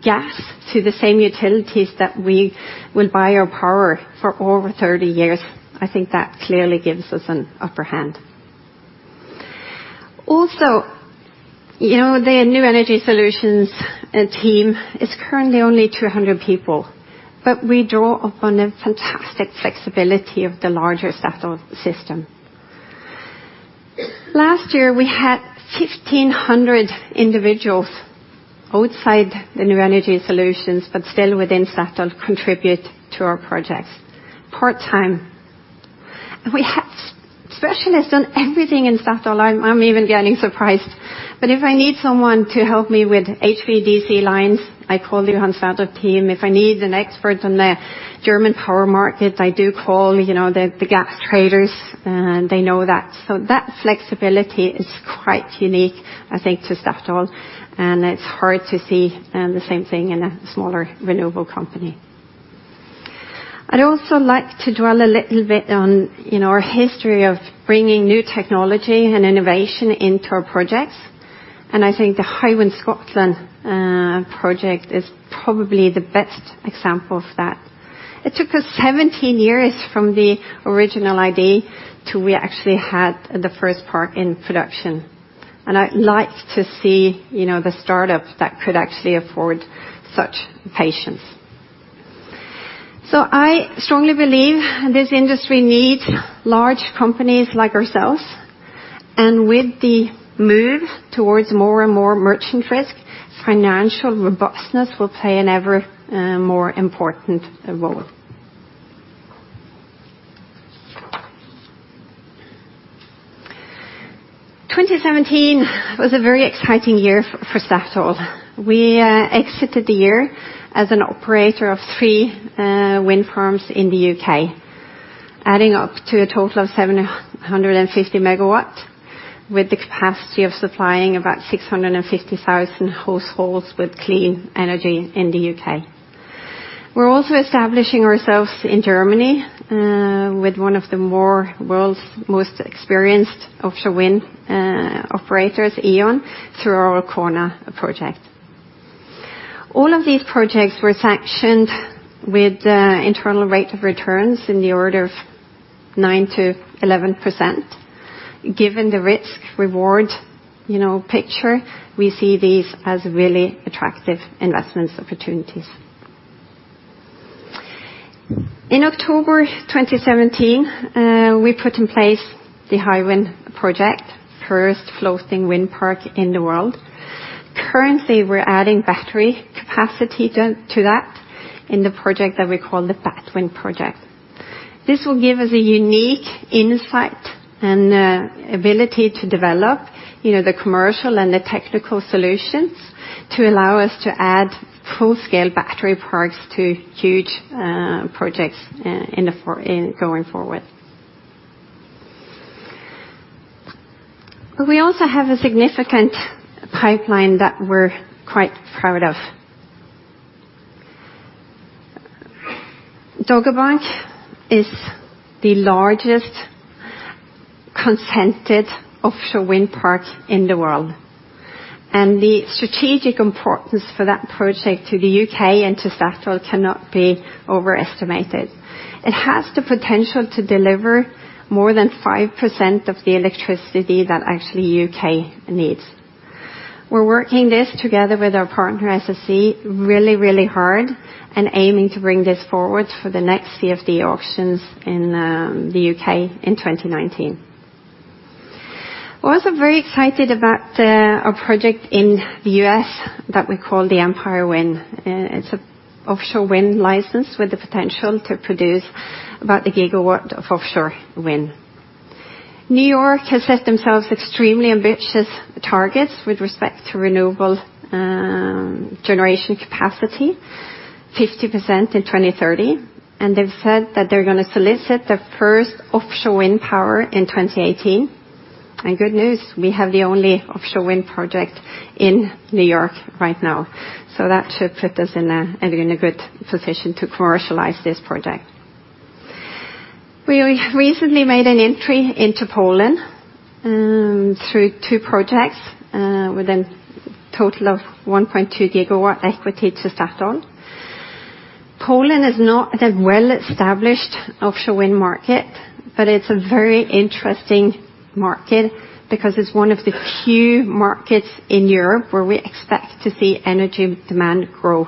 to the same utilities that we will buy our power for over 30 years. I think that clearly gives us an upper hand. The New Energy Solutions team is currently only 200 people, we draw upon a fantastic flexibility of the larger Statoil system. Last year, we had 1,500 individuals outside the New Energy Solutions, but still within Statoil contribute to our projects part-time. We have specialists on everything in Statoil. I am even getting surprised. If I need someone to help me with HVDC lines, I call the Johan Sverdrup team. If I need an expert on the German power market, I do call the gas traders, and they know that. That flexibility is quite unique, I think, to Statoil, and it is hard to see the same thing in a smaller renewable company. I would also like to dwell a little bit on our history of bringing new technology and innovation into our projects. I think the Hywind Scotland project is probably the best example of that. It took us 17 years from the original idea to we actually had the first park in production. I like to see the startup that could actually afford such patience. I strongly believe this industry needs large companies like ourselves, with the move towards more and more merchant risk, financial robustness will play an ever more important role. 2017 was a very exciting year for Statoil. We exited the year as an operator of three wind farms in the U.K., adding up to a total of 750 megawatts, with the capacity of supplying about 650,000 households with clean energy in the U.K. We're also establishing ourselves in Germany, with one of the world's most experienced offshore wind operators, E.ON, through our Arkona project. All of these projects were sanctioned with internal rate of returns in the order of 9%-11%. Given the risk-reward picture, we see these as really attractive investment opportunities. In October 2017, we put in place the Hywind project, first floating wind park in the world. Currently, we're adding battery capacity to that in the project that we call the Batwind project. This will give us a unique insight and ability to develop the commercial and the technical solutions to allow us to add full-scale battery parks to huge projects going forward. We also have a significant pipeline that we're quite proud of. Dogger Bank is the largest consented offshore wind park in the world. The strategic importance for that project to the U.K. and to Statoil cannot be overestimated. It has the potential to deliver more than 5% of the electricity that actually U.K. needs. We're working this together with our partner SSE really hard and aiming to bring this forward for the next CFD auctions in the U.K. in 2019. We're also very excited about our project in the U.S. that we call the Empire Wind. It's an offshore wind license with the potential to produce about a gigawatt of offshore wind. New York has set themselves extremely ambitious targets with respect to renewable generation capacity, 50% in 2030, and they've said that they're going to solicit the first offshore wind power in 2018. Good news, we have the only offshore wind project in New York right now. That should put us in a good position to commercialize this project. We recently made an entry into Poland through two projects with a total of 1.2 gigawatt equity to Statoil. Poland is not a well-established offshore wind market, but it's a very interesting market because it's one of the few markets in Europe where we expect to see energy demand grow.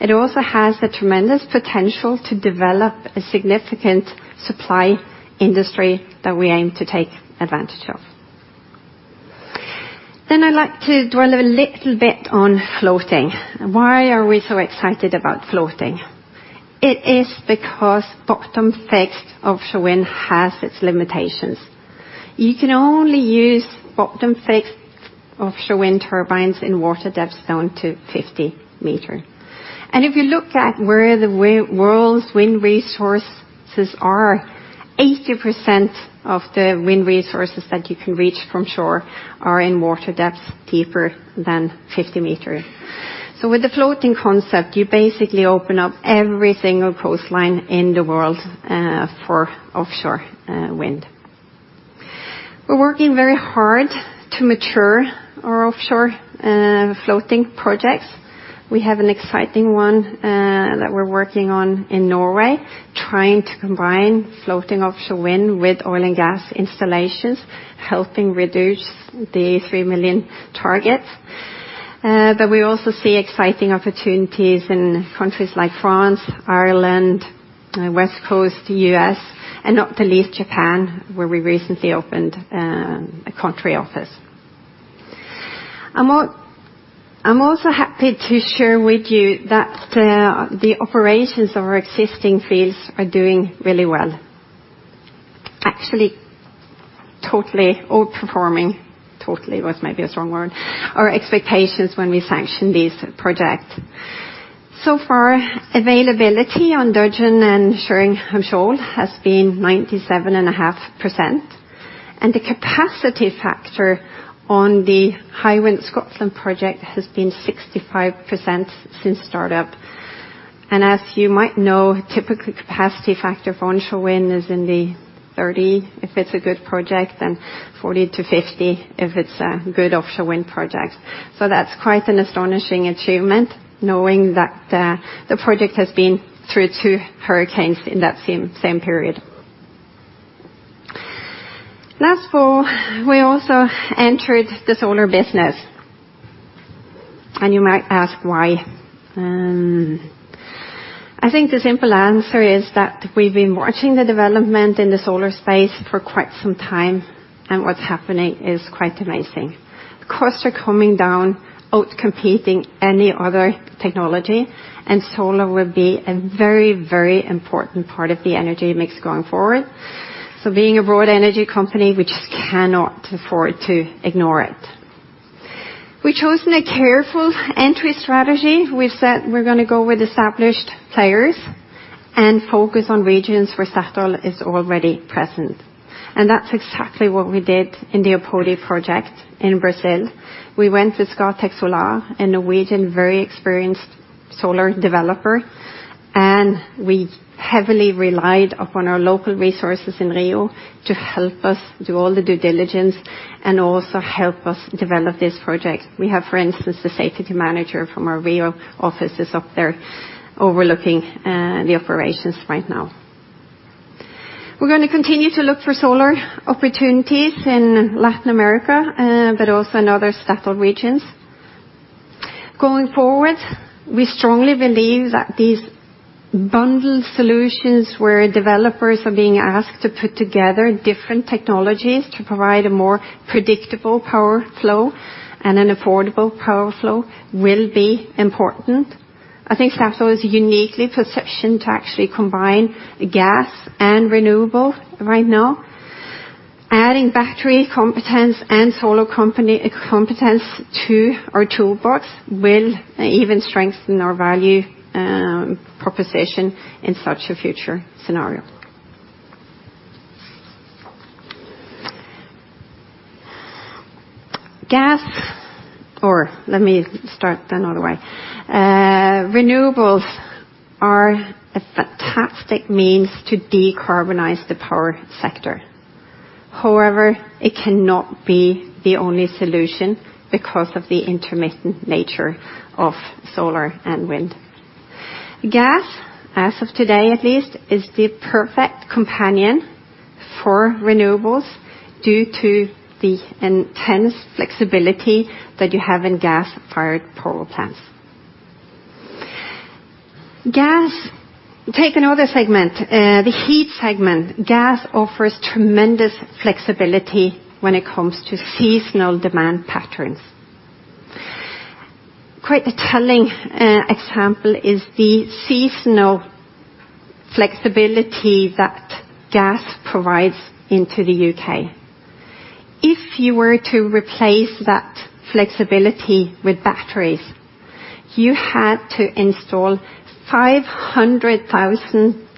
It also has the tremendous potential to develop a significant supply industry that we aim to take advantage of. I'd like to dwell a little bit on floating. Why are we so excited about floating? It is because bottom-fixed offshore wind has its limitations. You can only use bottom-fixed offshore wind turbines in water depths down to 50 meters. If you look at where the world's wind resources are, 80% of the wind resources that you can reach from shore are in water depths deeper than 50 meters. With the floating concept, you basically open up every single coastline in the world for offshore wind. We're working very hard to mature our offshore floating projects. We have an exciting one that we're working on in Norway, trying to combine floating offshore wind with oil and gas installations, helping reduce the 3 million targets. We also see exciting opportunities in countries like France, Ireland, West Coast U.S., and not the least, Japan, where we recently opened a country office. I'm also happy to share with you that the operations of our existing fields are doing really well. Actually, totally outperforming, totally was maybe a strong word, our expectations when we sanctioned this project. Availability on Sheringham Shoal has been 97.5%, and the capacity factor on the Hywind Scotland project has been 65% since startup. As you might know, typical capacity factor for onshore wind is in the 30%, if it's a good project, and 40%-50% if it's a good offshore wind project. That's quite an astonishing achievement, knowing that the project has been through two hurricanes in that same period. Last fall, we also entered the solar business. You might ask why. I think the simple answer is that we've been watching the development in the solar space for quite some time, what's happening is quite amazing. The costs are coming down, outcompeting any other technology, solar will be a very important part of the energy mix going forward. Being a broad energy company, we just cannot afford to ignore it. We've chosen a careful entry strategy. We've said we're going to go with established players and focus on regions where Statoil is already present. That's exactly what we did in the Apodi project in Brazil. We went with Scatec Solar, a Norwegian, very experienced solar developer, we heavily relied upon our local resources in Rio to help us do all the due diligence and also help us develop this project. We have, for instance, the safety manager from our Rio office is up there Overlooking the operations right now. We're going to continue to look for solar opportunities in Latin America, but also in other Statoil regions. Going forward, we strongly believe that these bundled solutions where developers are being asked to put together different technologies to provide a more predictable power flow and an affordable power flow will be important. I think Statoil is uniquely positioned to actually combine gas and renewable right now. Adding battery competence and solar competence to our toolbox will even strengthen our value proposition in such a future scenario. Renewables are a fantastic means to decarbonize the power sector. However, it cannot be the only solution because of the intermittent nature of solar and wind. Gas, as of today at least, is the perfect companion for renewables due to the intense flexibility that you have in gas-fired power plants. Take another segment, the heat segment. Gas offers tremendous flexibility when it comes to seasonal demand patterns. Quite a telling example is the seasonal flexibility that gas provides into the U.K. If you were to replace that flexibility with batteries, you had to install 500,000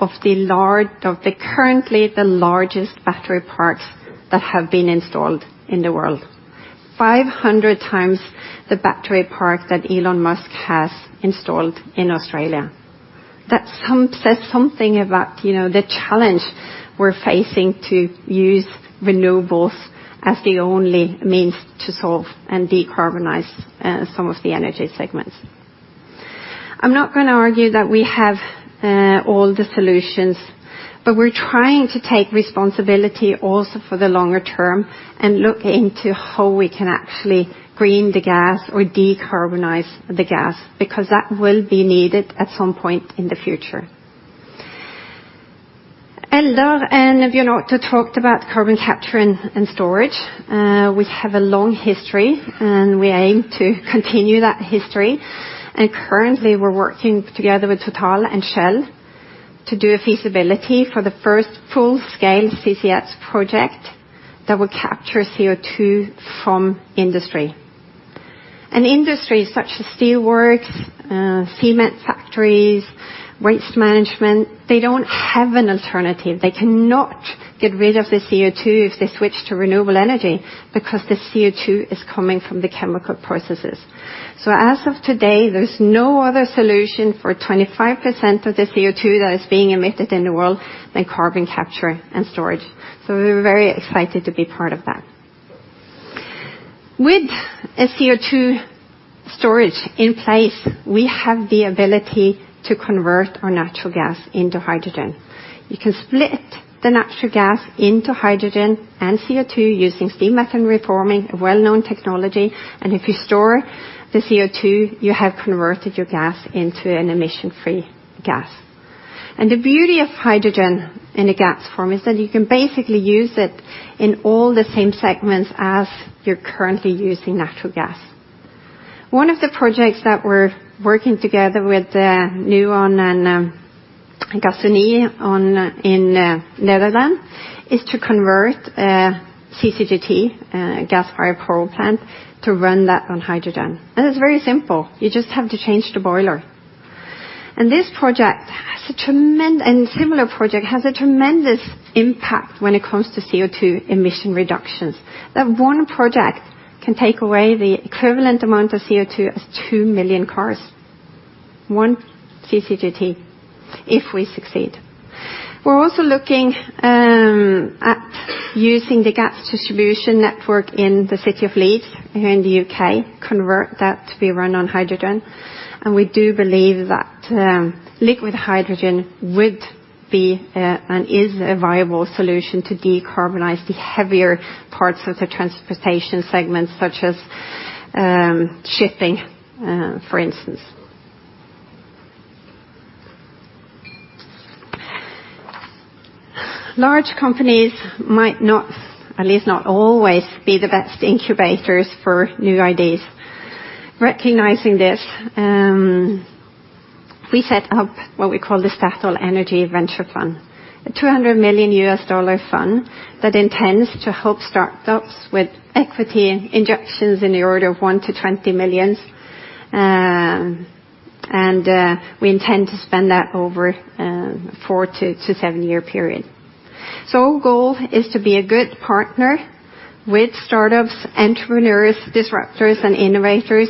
of the currently, the largest battery parks that have been installed in the world, 500 times the battery park that Elon Musk has installed in Australia. That says something about the challenge we're facing to use renewables as the only means to solve and decarbonize some of the energy segments. I'm not going to argue that we have all the solutions, we're trying to take responsibility also for the longer term and look into how we can actually green the gas or decarbonize the gas, because that will be needed at some point in the future. Eldar and Bjørn Otto talked about carbon capture and storage. We have a long history, we aim to continue that history. Currently, we're working together with Total and Shell to do a feasibility for the first full-scale CCS project that will capture CO2 from industry. Industries such as steelworks, cement factories, waste management, they don't have an alternative. They cannot get rid of the CO2 if they switch to renewable energy because the CO2 is coming from the chemical processes. As of today, there's no other solution for 25% of the CO2 that is being emitted in the world than carbon capture and storage. We're very excited to be part of that. With a CO2 storage in place, we have the ability to convert our natural gas into hydrogen. You can split the natural gas into hydrogen and CO2 using steam methane reforming, a well-known technology. If you store the CO2, you have converted your gas into an emission-free gas. The beauty of hydrogen in a gas form is that you can basically use it in all the same segments as you're currently using natural gas. One of the projects that we're working together with Nuon and Gasunie in Netherlands is to convert a CCGT, gas-fired power plant, to run that on hydrogen. It's very simple. You just have to change the boiler. This project and similar project has a tremendous impact when it comes to CO2 emission reductions. That one project can take away the equivalent amount of CO2 as 2 million cars, one CCGT if we succeed. We're also looking at using the gas distribution network in the city of Leeds here in the U.K., convert that to be run on hydrogen. We do believe that liquid hydrogen would be, and is a viable solution to decarbonize the heavier parts of the transportation segments such as shipping, for instance. Large companies might not, at least not always, be the best incubators for new ideas. Recognizing this, we set up what we call the Statoil Energy Ventures Fund, a $200 million U.S. fund that intends to help startups with equity injections in the order of one to $20 million. We intend to spend that over four to seven-year period. Our goal is to be a good partner with startups, entrepreneurs, disruptors, and innovators,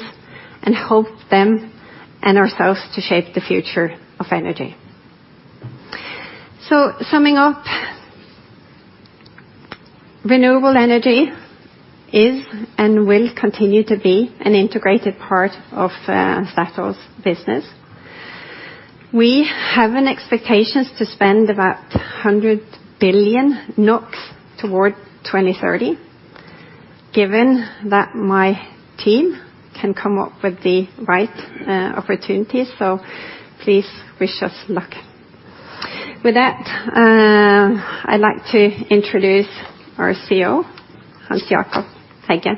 and help them and ourselves to shape the future of energy. Summing up Renewable energy is and will continue to be an integrated part of Statoil's business. We have an expectations to spend about 100 billion toward 2030, given that my team can come up with the right opportunities. Please wish us luck. With that, I'd like to introduce our CFO, Hans Jakob. Thank you.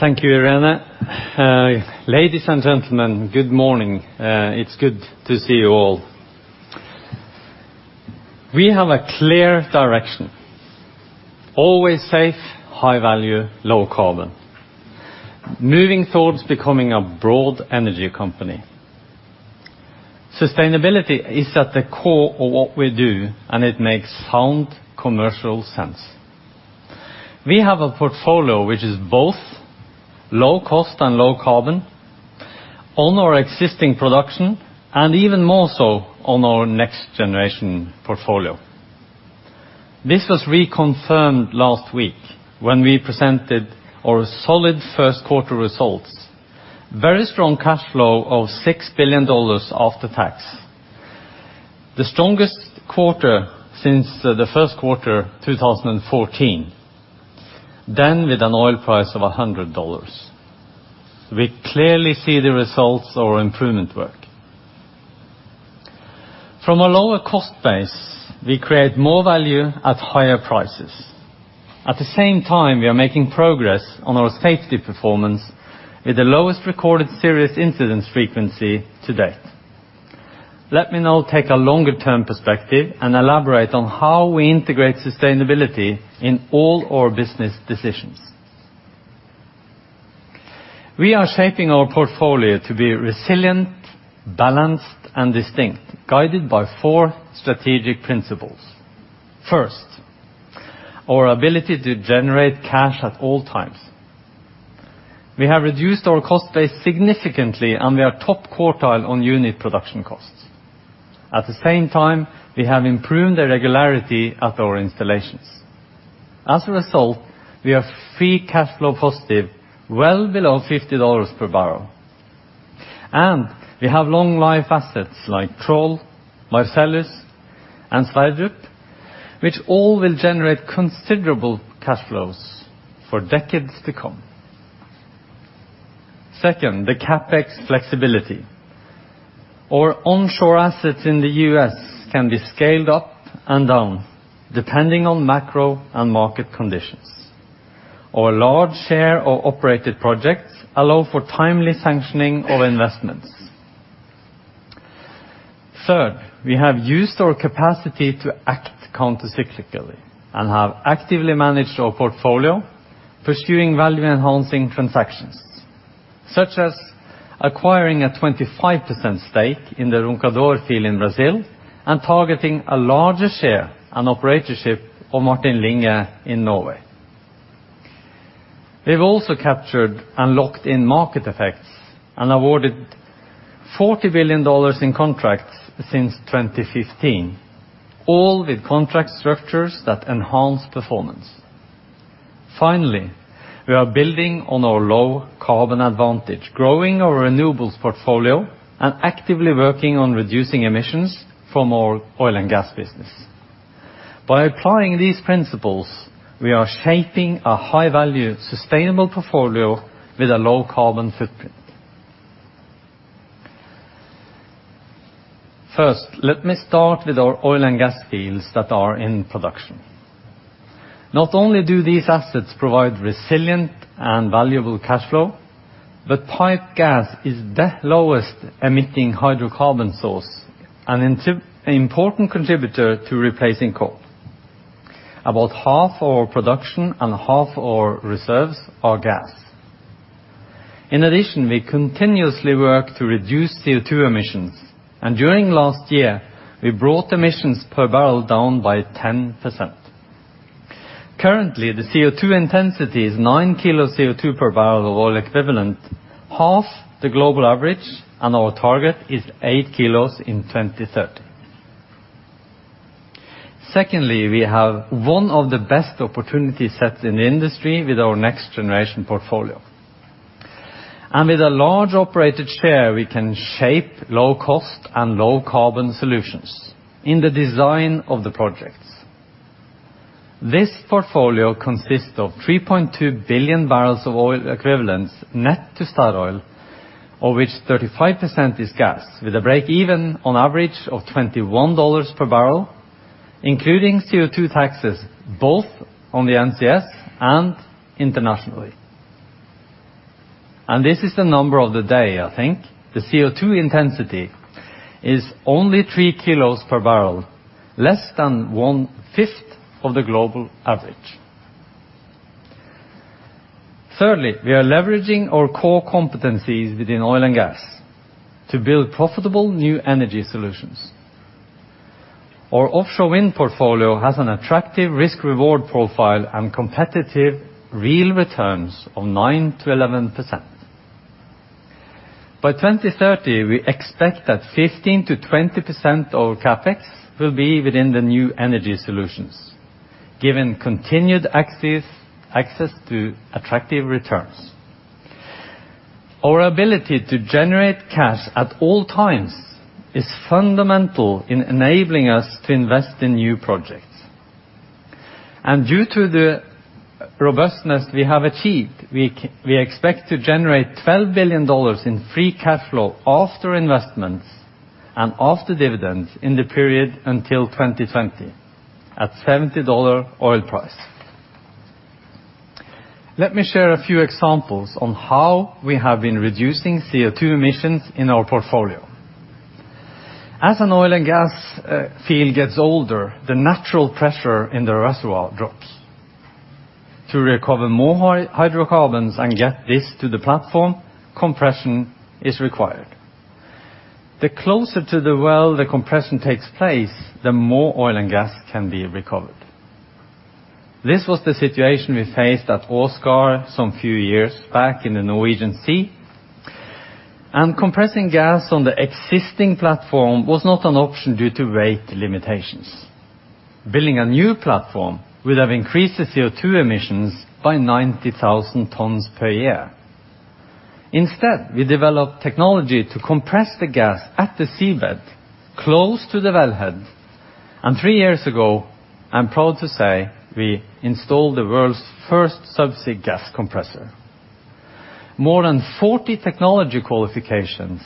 Thank you, Irene. Ladies and gentlemen, good morning. It's good to see you all. We have a clear direction, always safe, high value, low carbon, moving towards becoming a broad energy company. Sustainability is at the core of what we do, and it makes sound commercial sense. We have a portfolio which is both low cost and low carbon on our existing production, and even more so on our next-generation portfolio. This was reconfirmed last week when we presented our solid first quarter results. Very strong cash flow of NOK 6 billion after tax. The strongest quarter since the first quarter 2014, then with an oil price of $100. We clearly see the results of our improvement work. From a lower cost base, we create more value at higher prices. At the same time, we are making progress on our safety performance with the lowest recorded serious incidents frequency to date. Let me now take a longer-term perspective and elaborate on how we integrate sustainability in all our business decisions. We are shaping our portfolio to be resilient, balanced, and distinct, guided by four strategic principles. First, our ability to generate cash at all times. We have reduced our cost base significantly, and we are top quartile on unit production costs. At the same time, we have improved the regularity at our installations. As a result, we are free cash flow positive, well below $50 per barrel. We have long-life assets like Troll, Mariner, and Sverdrup, which all will generate considerable cash flows for decades to come. Second, the CapEx flexibility. Our onshore assets in the U.S. can be scaled up and down depending on macro and market conditions. Our large share of operated projects allow for timely sanctioning of investments. Third, we have used our capacity to act counter-cyclically and have actively managed our portfolio, pursuing value-enhancing transactions, such as acquiring a 25% stake in the Roncador field in Brazil and targeting a larger share and operatorship of Martin Linge in Norway. We've also captured and locked in market effects. Awarded NOK 40 billion in contracts since 2015, all with contract structures that enhance performance. Finally, we are building on our low-carbon advantage, growing our renewables portfolio, and actively working on reducing emissions from our oil and gas business. By applying these principles, we are shaping a high-value, sustainable portfolio with a low carbon footprint. First, let me start with our oil and gas fields that are in production. Not only do these assets provide resilient and valuable cash flow, but piped gas is the lowest-emitting hydrocarbon source and an important contributor to replacing coal. About half our production and half our reserves are gas. In addition, we continuously work to reduce CO2 emissions. During last year, we brought emissions per barrel down by 10%. Currently, the CO2 intensity is nine kilos CO2 per barrel of oil equivalent, half the global average, and our target is eight kilos in 2030. Secondly, we have one of the best opportunity sets in the industry with our next-generation portfolio. With a large operated share, we can shape low-cost and low-carbon solutions in the design of the projects. This portfolio consists of 3.2 billion barrels of oil equivalents net to Statoil, of which 35% is gas, with a break-even on average of $21 per barrel, including CO2 taxes both on the NCS and internationally. This is the number of the day, I think. The CO2 intensity is only three kilos per barrel, less than one-fifth of the global average. Thirdly, we are leveraging our core competencies within oil and gas to build profitable new energy solutions. Our offshore wind portfolio has an attractive risk-reward profile and competitive real returns of 9%-11%. By 2030, we expect that 15%-20% of our CapEx will be within the new energy solutions, given continued access to attractive returns. Our ability to generate cash at all times is fundamental in enabling us to invest in new projects. Due to the robustness we have achieved, we expect to generate NOK 12 billion in free cash flow after investments and after dividends in the period until 2020 at USD 70 oil price. Let me share a few examples on how we have been reducing CO2 emissions in our portfolio. As an oil and gas field gets older, the natural pressure in the reservoir drops. To recover more hydrocarbons and get this to the platform, compression is required. The closer to the well the compression takes place, the more oil and gas can be recovered. This was the situation we faced at Åsgard some few years back in the Norwegian Sea. Compressing gas on the existing platform was not an option due to weight limitations. Building a new platform would have increased the CO2 emissions by 90,000 tons per year. Instead, we developed technology to compress the gas at the seabed close to the wellhead, and three years ago, I'm proud to say, we installed the world's first subsea gas compressor. More than 40 technology qualifications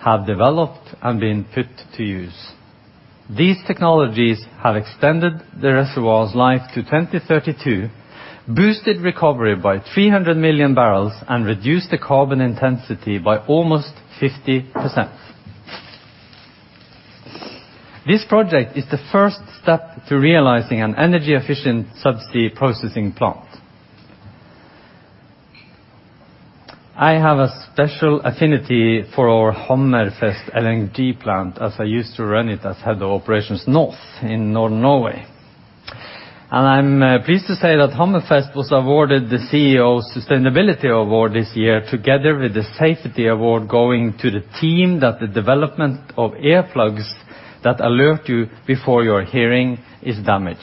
have developed and been put to use. These technologies have extended the reservoir's life to 2032, boosted recovery by 300 million barrels, and reduced the carbon intensity by almost 50%. This project is the first step to realizing an energy-efficient subsea processing plant. I have a special affinity for our Hammerfest LNG plant, as I used to run it as head of operations north in Northern Norway. I'm pleased to say that Hammerfest was awarded the CEO Safety, Security and Sustainability Award this year, together with the SSU Award, going to the team that the development of earplugs that alert you before your hearing is damaged.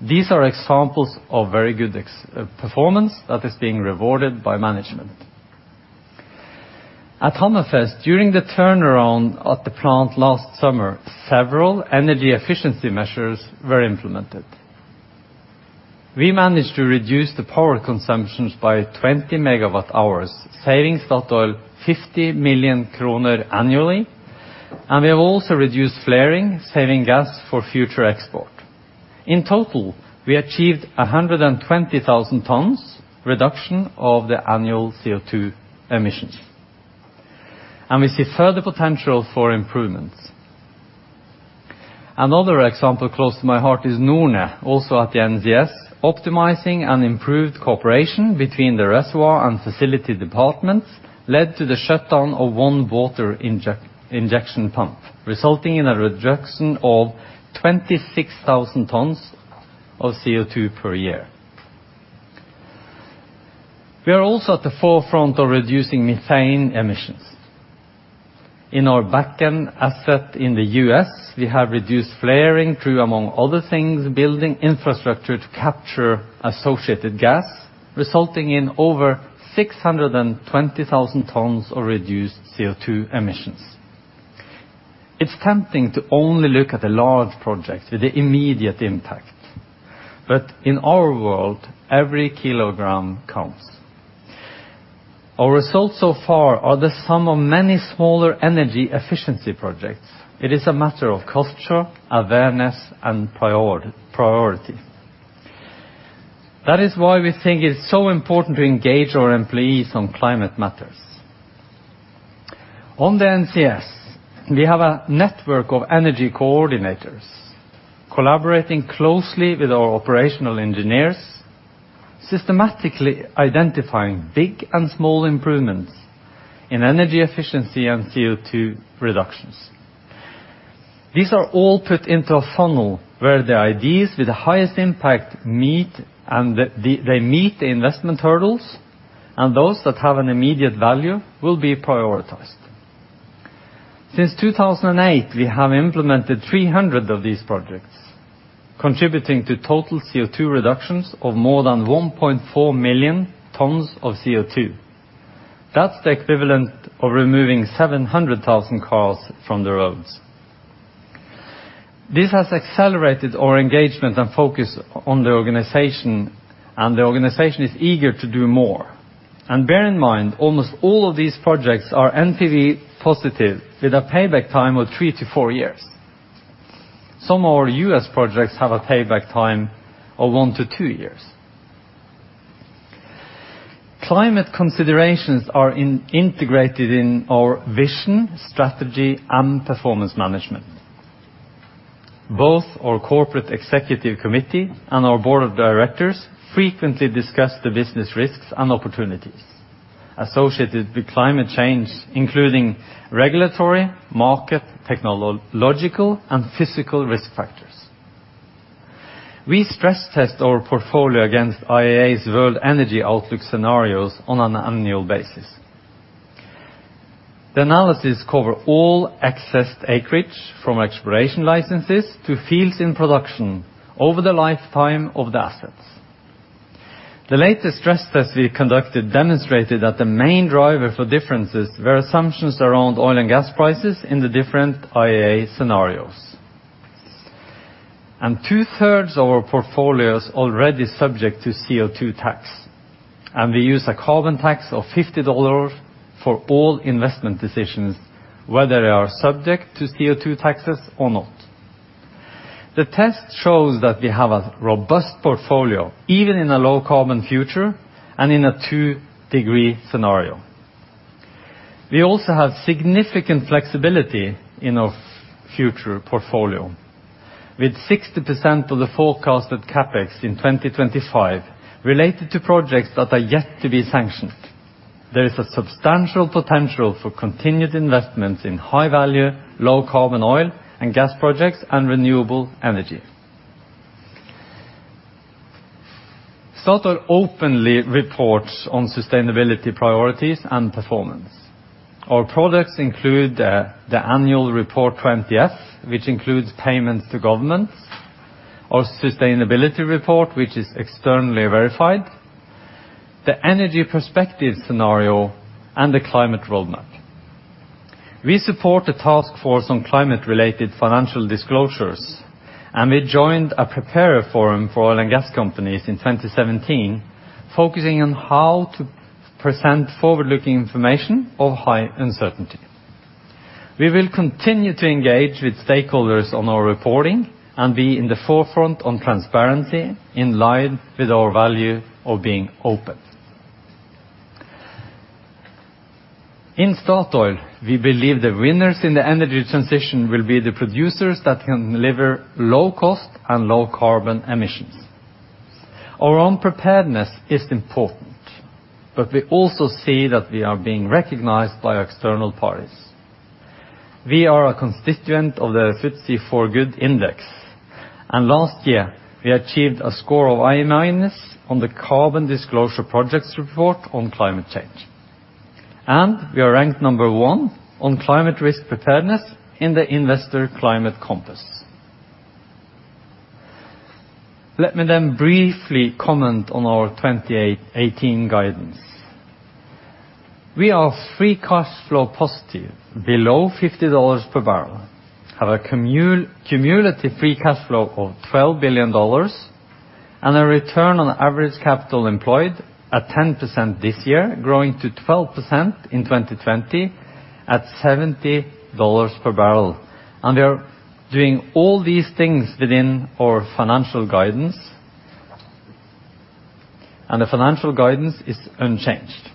These are examples of very good performance that is being rewarded by management. At Hammerfest, during the turnaround of the plant last summer, several energy efficiency measures were implemented. We managed to reduce the power consumptions by 20 megawatt-hours, saving Equinor 50 million kroner annually, and we have also reduced flaring, saving gas for future export. In total, we achieved 120,000 tons reduction of the annual CO2 emissions, and we see further potential for improvements. Another example close to my heart is Norne, also at the NCS. Optimizing and improved cooperation between the reservoir and facility departments led to the shutdown of one water injection pump, resulting in a reduction of 26,000 tons of CO2 per year. We are also at the forefront of reducing methane emissions. In our Bakken asset in the U.S., we have reduced flaring through, among other things, building infrastructure to capture associated gas, resulting in over 620,000 tons of reduced CO2 emissions. It's tempting to only look at the large projects with the immediate impact. But in our world, every kilogram counts. Our results so far are the sum of many smaller energy efficiency projects. It is a matter of culture, awareness, and priority. We think it's so important to engage our employees on climate matters. On the NCS, we have a network of energy coordinators collaborating closely with our operational engineers, systematically identifying big and small improvements in energy efficiency and CO2 reductions. These are all put into a funnel where the ideas with the highest impact meet, they meet the investment hurdles, and those that have an immediate value will be prioritized. Since 2008, we have implemented 300 of these projects, contributing to total CO2 reductions of more than 1.4 million tons of CO2. That's the equivalent of removing 700,000 cars from the roads. This has accelerated our engagement and focus on the organization, the organization is eager to do more. Bear in mind, almost all of these projects are NPV positive with a payback time of three to four years. Some of our U.S. projects have a payback time of one to two years. Climate considerations are integrated in our vision, strategy, and performance management. Both our corporate executive committee and our board of directors frequently discuss the business risks and opportunities associated with climate change, including regulatory, market, technological, and physical risk factors. We stress test our portfolio against IEA's World Energy Outlook scenarios on an annual basis. The analysis cover all accessed acreage from exploration licenses to fields in production over the lifetime of the assets. The latest stress test we conducted demonstrated that the main driver for differences were assumptions around oil and gas prices in the different IEA scenarios. Two-thirds of our portfolio is already subject to CO₂ tax, we use a carbon tax of NOK 50 for all investment decisions, whether they are subject to CO₂ taxes or not. The test shows that we have a robust portfolio, even in a low-carbon future and in a two-degree scenario. We also have significant flexibility in our future portfolio. With 60% of the forecasted CapEx in 2025 related to projects that are yet to be sanctioned. There is a substantial potential for continued investments in high-value, low-carbon oil and gas projects and renewable energy. Statoil openly reports on sustainability priorities and performance. Our products include the annual Report 20F, which includes payments to governments, our sustainability report, which is externally verified, the energy perspective scenario, and the climate roadmap. We support the Task Force on Climate-related Financial Disclosures, we joined a preparer forum for oil and gas companies in 2017, focusing on how to present forward-looking information of high uncertainty. We will continue to engage with stakeholders on our reporting and be in the forefront on transparency in line with our value of being open. In Statoil, we believe the winners in the energy transition will be the producers that can deliver low cost and low carbon emissions. Our own preparedness is important, we also see that we are being recognized by external parties. We are a constituent of the FTSE4Good Index, last year, we achieved a score of 89 on the Carbon Disclosure Project's report on climate change. We are ranked number one on climate risk preparedness in the Investor Climate Compass. Let me briefly comment on our 2018 guidance. We are free cash flow positive below $50 per barrel, have a cumulative free cash flow of $12 billion, and a return on average capital employed at 10% this year, growing to 12% in 2020 at $70 per barrel. We are doing all these things within our financial guidance, and the financial guidance is unchanged.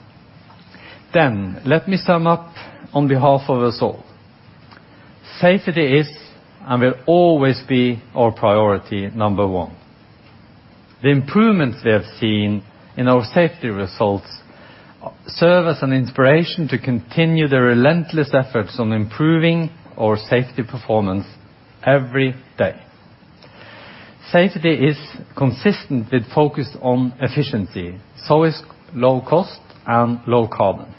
Let me sum up on behalf of us all. Safety is and will always be our priority 1. The improvements we have seen in our safety results serve as an inspiration to continue the relentless efforts on improving our safety performance every day. Safety is consistent with focus on efficiency. So is low cost and low carbon.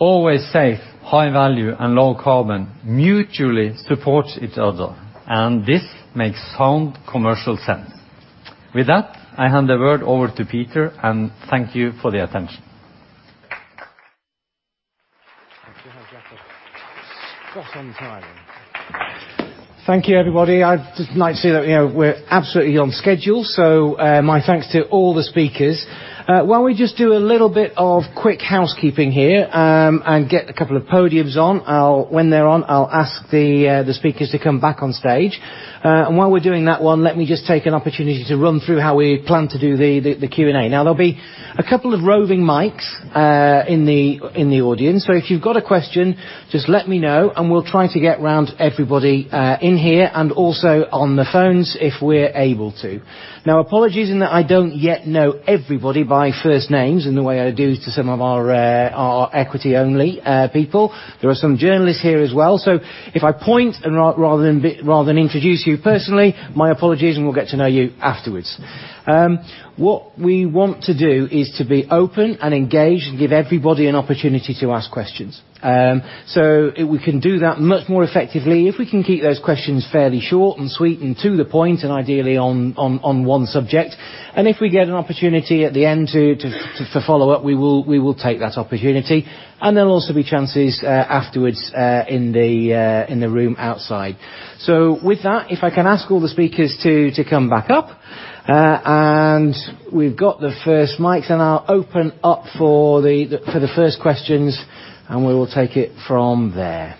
Always safe, high value, and low carbon mutually support each other, and this makes sound commercial sense. With that, I hand the word over to Peter, and thank you for the attention. Thank you, Hans Jakob. Spot on time. Thank you, everybody. I'd just like to say that we're absolutely on schedule, so my thanks to all the speakers. While we just do a little bit of quick housekeeping here, and get a couple of podiums on, when they're on, I'll ask the speakers to come back on stage. While we're doing that one, let me just take an opportunity to run through how we plan to do the Q&A. There'll be a couple of roving mics in the audience. If you've got a question, just let me know, and we'll try to get round to everybody in here and also on the phones if we're able to. Apologies in that I don't yet know everybody by first names in the way I do to some of our equity only people. There are some journalists here as well. If I point rather than introduce you personally, my apologies, and we'll get to know you afterwards. What we want to do is to be open and engaged and give everybody an opportunity to ask questions. We can do that much more effectively if we can keep those questions fairly short and sweet and to the point, and ideally on one subject. If we get an opportunity at the end to follow up, we will take that opportunity. There'll also be chances afterwards in the room outside. With that, if I can ask all the speakers to come back up. We've got the first mics, and I'll open up for the first questions, and we will take it from there.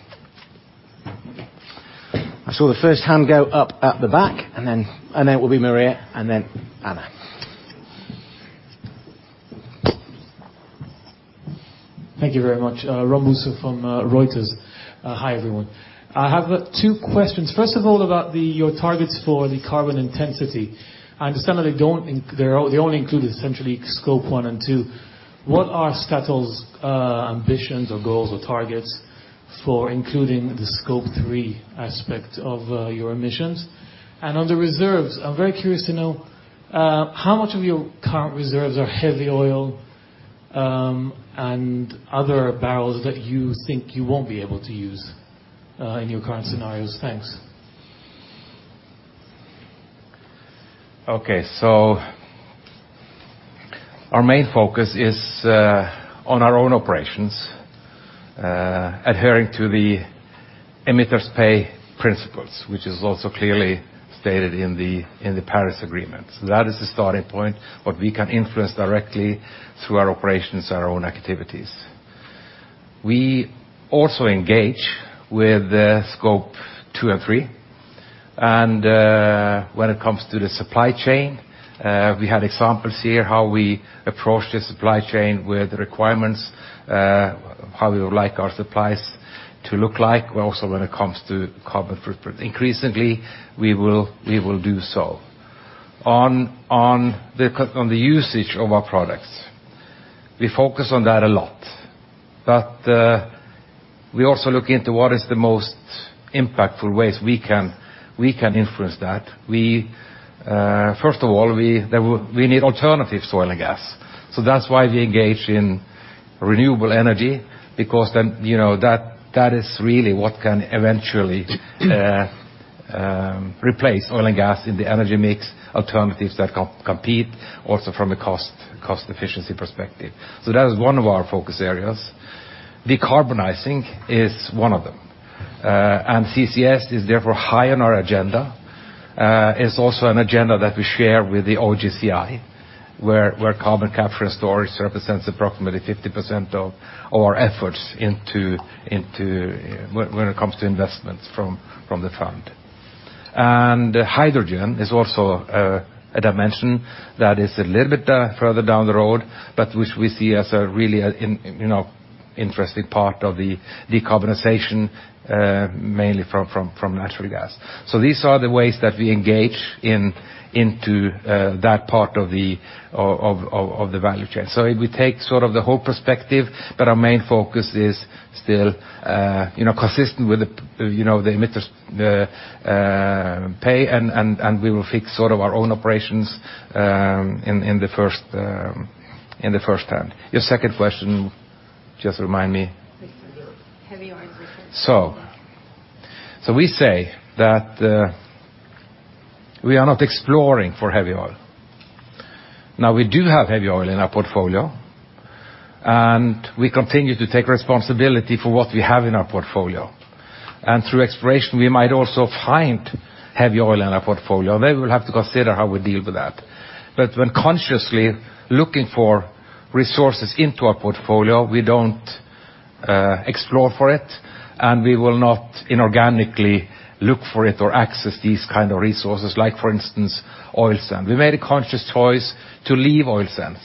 I saw the first hand go up at the back, and then it will be Maria, and then Ana. Thank you very much. Ron Bousso from Reuters. Hi, everyone. I have two questions. First of all, about your targets for the carbon intensity. I understand that they only include essentially Scope 1 and 2. What are Statoil's ambitions or goals or targets for including the Scope 3 aspect of your emissions? On the reserves, I'm very curious to know how much of your current reserves are heavy oil, and other barrels that you think you won't be able to use in your current scenarios. Thanks. Our main focus is on our own operations adhering to the emitters pay principles, which is also clearly stated in the Paris Agreement. That is the starting point, what we can influence directly through our operations and our own activities. We also engage with Scope 2 and 3. When it comes to the supply chain, we had examples here how we approach the supply chain with requirements, how we would like our supplies to look like, also when it comes to carbon footprint. Increasingly, we will do so. On the usage of our products, we focus on that a lot, but we also look into what is the most impactful ways we can influence that. First of all, we need alternative to oil and gas. That's why we engage in renewable energy because that is really what can eventually replace oil and gas in the energy mix. Alternatives that compete also from a cost efficiency perspective. That is one of our focus areas. Decarbonizing is one of them. CCS is therefore high on our agenda. It's also an agenda that we share with the OGCI, where carbon capture and storage represents approximately 50% of our efforts when it comes to investments from the fund. Hydrogen is also a dimension that is a little bit further down the road, but which we see as a really interesting part of the decarbonization mainly from natural gas. These are the ways that we engage into that part of the value chain. We take sort of the whole perspective, but our main focus is still consistent with the emitters pay and we will fix sort of our own operations in the first hand. Your second question, just remind me. Heavy oil and reserves. We say that we are not exploring for heavy oil. We do have heavy oil in our portfolio, and we continue to take responsibility for what we have in our portfolio. Through exploration, we might also find heavy oil in our portfolio. We will have to consider how we deal with that. When consciously looking for resources into our portfolio, we don't explore for it, and we will not inorganically look for it or access these kind of resources like for instance, oil sand. We made a conscious choice to leave oil sands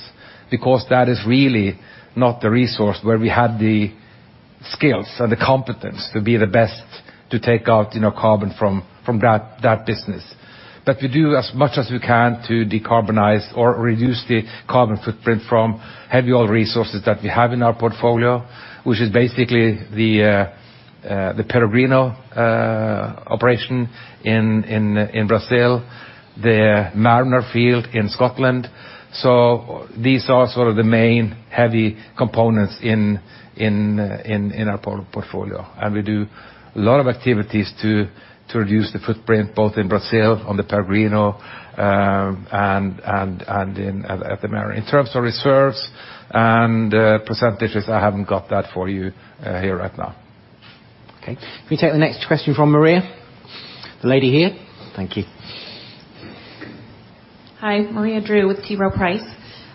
because that is really not the resource where we had the skills and the competence to be the best to take out carbon from that business. We do as much as we can to decarbonize or reduce the carbon footprint from heavy oil resources that we have in our portfolio, which is basically the Peregrino operation in Brazil, the Mariner field in Scotland. These are sort of the main heavy components in our portfolio, and we do a lot of activities to reduce the footprint, both in Brazil on the Peregrino, and at the Mariner. In terms of reserves and percentages, I haven't got that for you here right now. Okay. Can we take the next question from Maria? The lady here. Thank you. Hi. Maria Drew with T. Rowe Price.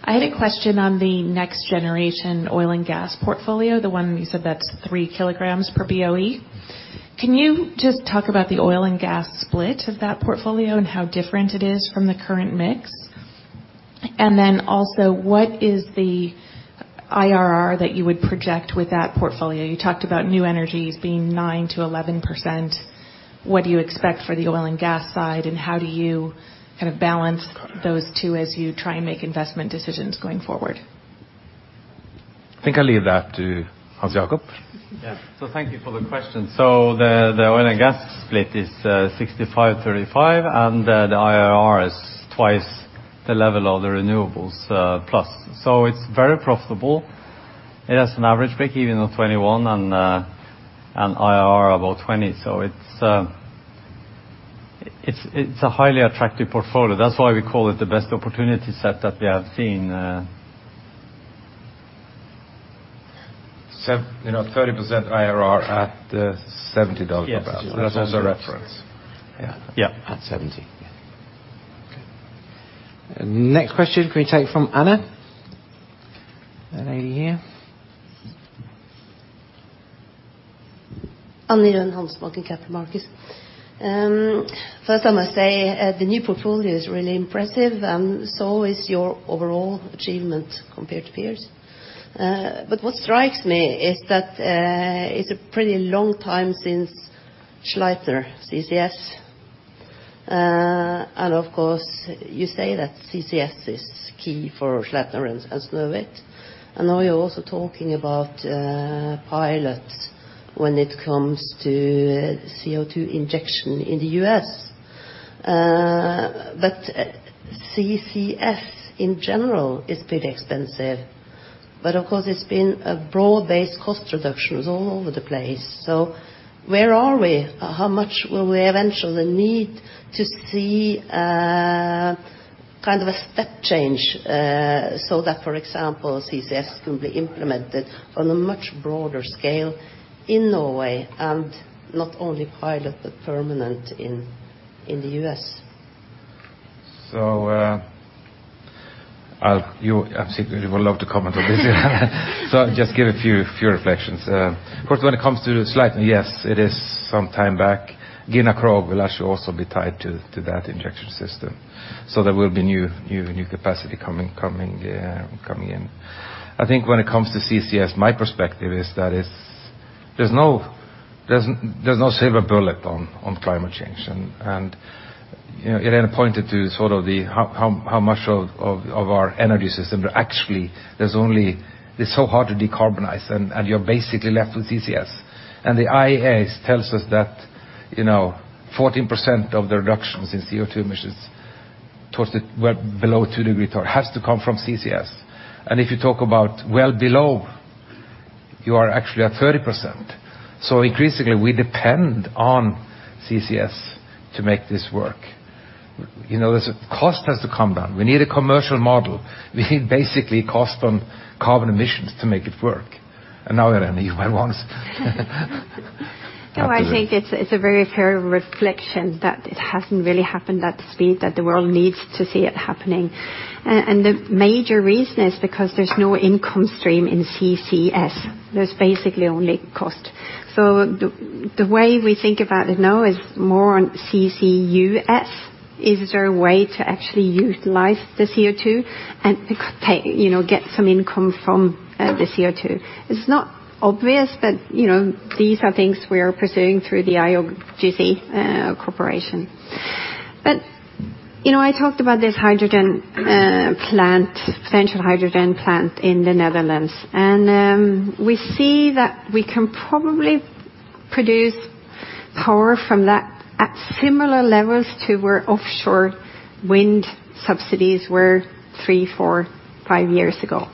I had a question on the next generation oil and gas portfolio, the one you said that's three kilograms per BOE. Can you just talk about the oil and gas split of that portfolio and how different it is from the current mix? Then also what is the IRR that you would project with that portfolio? You talked about new energies being 9%-11%. What do you expect for the oil and gas side, and how do you kind of balance those two as you try and make investment decisions going forward? I think I'll leave that to Hans Jakob. Thank you for the question. The oil and gas split is 65, 35, and the IRR is twice the level of the renewables plus. It's very profitable. It has an average break-even of 21 and IRR about 20. It's a highly attractive portfolio. That's why we call it the best opportunity set that we have seen. 30% IRR at $70 per barrel. Yes. That's as a reference. Yeah. At 70. Okay. Next question can we take from Ana? Ana here Ann-Iren Gabrielsen from DNB. First I must say the new portfolio is really impressive and so is your overall achievement compared to peers. What strikes me is that it's a pretty long time since Sleipner CCS, and of course you say that CCS is key for Sleipner and Snorre. I know you're also talking about pilots when it comes to CO2 injection in the U.S. CCS in general is pretty expensive, but of course there's been a broad-based cost reductions all over the place. Where are we? How much will we eventually need to see a step change, so that, for example, CCS can be implemented on a much broader scale in Norway and not only pilot, but permanent in the U.S.? I'm sure Irene would love to comment on this. I'll just give a few reflections. Of course, when it comes to Sleipner, yes, it is some time back. Gina Krog will actually also be tied to that injection system. There will be new capacity coming in. I think when it comes to CCS, my perspective is that there's no silver bullet on climate change. Irene pointed to how much of our energy system there actually is only. It's so hard to decarbonize and you're basically left with CCS. The IEA tells us that 14% of the reductions in CO2 emissions towards the well below two degree target has to come from CCS. If you talk about well below, you are actually at 30%. Increasingly we depend on CCS to make this work. The cost has to come down. We need a commercial model. We need basically a cost on carbon emissions to make it work. Now, Irene, you might want to I think it's a very fair reflection that it hasn't really happened at the speed that the world needs to see it happening. The major reason is because there's no income stream in CCS. There's basically only cost. The way we think about it now is more on CCUS. Is there a way to actually utilize the CO2 and get some income from the CO2? It's not obvious, but these are things we are pursuing through the IOGP cooperation. I talked about this potential hydrogen plant in the Netherlands, and we see that we can probably produce power from that at similar levels to where offshore wind subsidies were three, four, five years ago.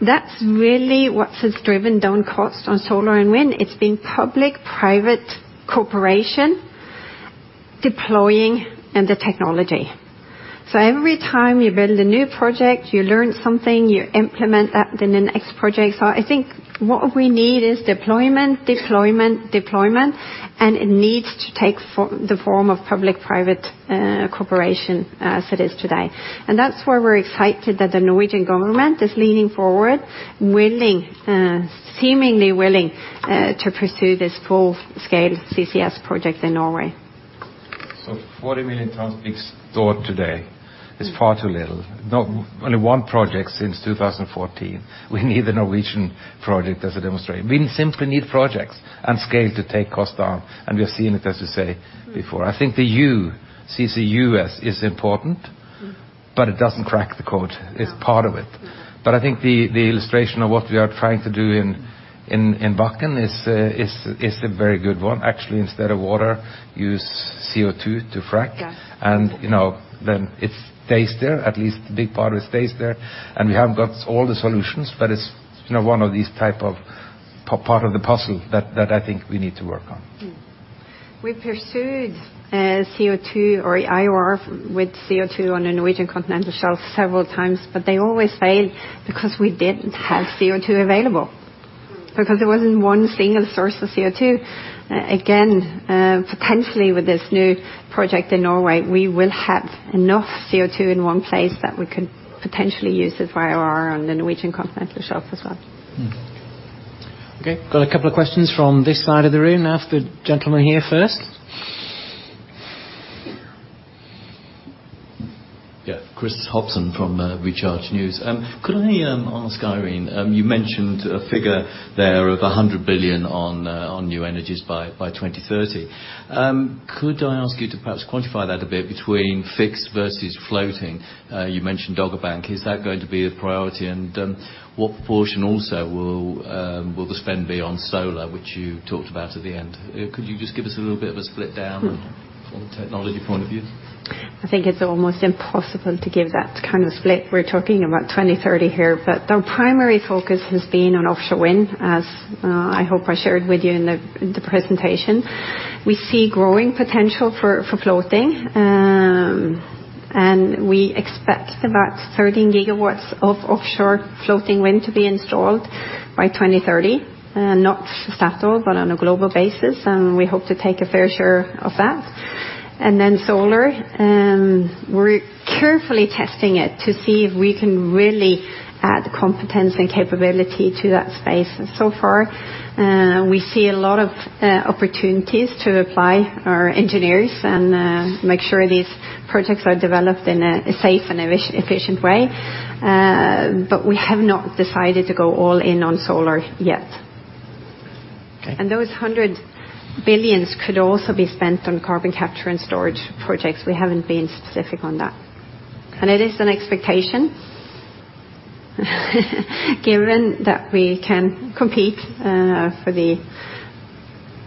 That's really what has driven down cost on solar and wind. It's been public-private cooperation, deploying and the technology. Every time you build a new project, you learn something, you implement that in the next project. I think what we need is deployment. It needs to take the form of public-private cooperation as it is today. That's why we're excited that the Norwegian government is leaning forward, seemingly willing to pursue this full-scale CCS project in Norway. 40 million tons being stored today is far too little. Only one project since 2014. We need the Norwegian project as a demonstration. We simply need projects and scale to take cost down, and we have seen it, as you say before. I think CCUS is important, it doesn't crack the code. No. It's part of it. I think the illustration of what we are trying to do in Bakken is a very good one. Actually, instead of water, use CO2 to frack. Yes. It stays there. At least a big part of it stays there. We haven't got all the solutions, but it's one of these type of part of the puzzle that I think we need to work on. We pursued CO2 or IOR with CO2 on the Norwegian Continental Shelf several times, but they always failed because we didn't have CO2 available, because there wasn't one single source of CO2. Potentially with this new project in Norway, we will have enough CO2 in one place that we could potentially use this IOR on the Norwegian Continental Shelf as well. Okay, got a couple of questions from this side of the room. I'll ask the gentleman here first. Yeah. Chris Hobson from Recharge. Could I ask Irene, you mentioned a figure there of 100 billion on new energies by 2030. Could I ask you to perhaps quantify that a bit between fixed versus floating? You mentioned Dogger Bank. Is that going to be a priority? What proportion also will the spend be on solar, which you talked about at the end? Could you just give us a little bit of a split down from a technology point of view? I think it's almost impossible to give that kind of split. We're talking about 2030 here. The primary focus has been on offshore wind as I hope I shared with you in the presentation. We see growing potential for floating, we expect about 13 gigawatts of offshore floating wind to be installed by 2030. Not Statoil, but on a global basis, we hope to take a fair share of that. Then solar. We're carefully testing it to see if we can really add competence and capability to that space. So far, we see a lot of opportunities to apply our engineers and make sure these projects are developed in a safe and efficient way. We have not decided to go all in on solar yet. Okay. Those 100 billion could also be spent on carbon capture and storage projects. We haven't been specific on that. It is an expectation, given that we can compete for the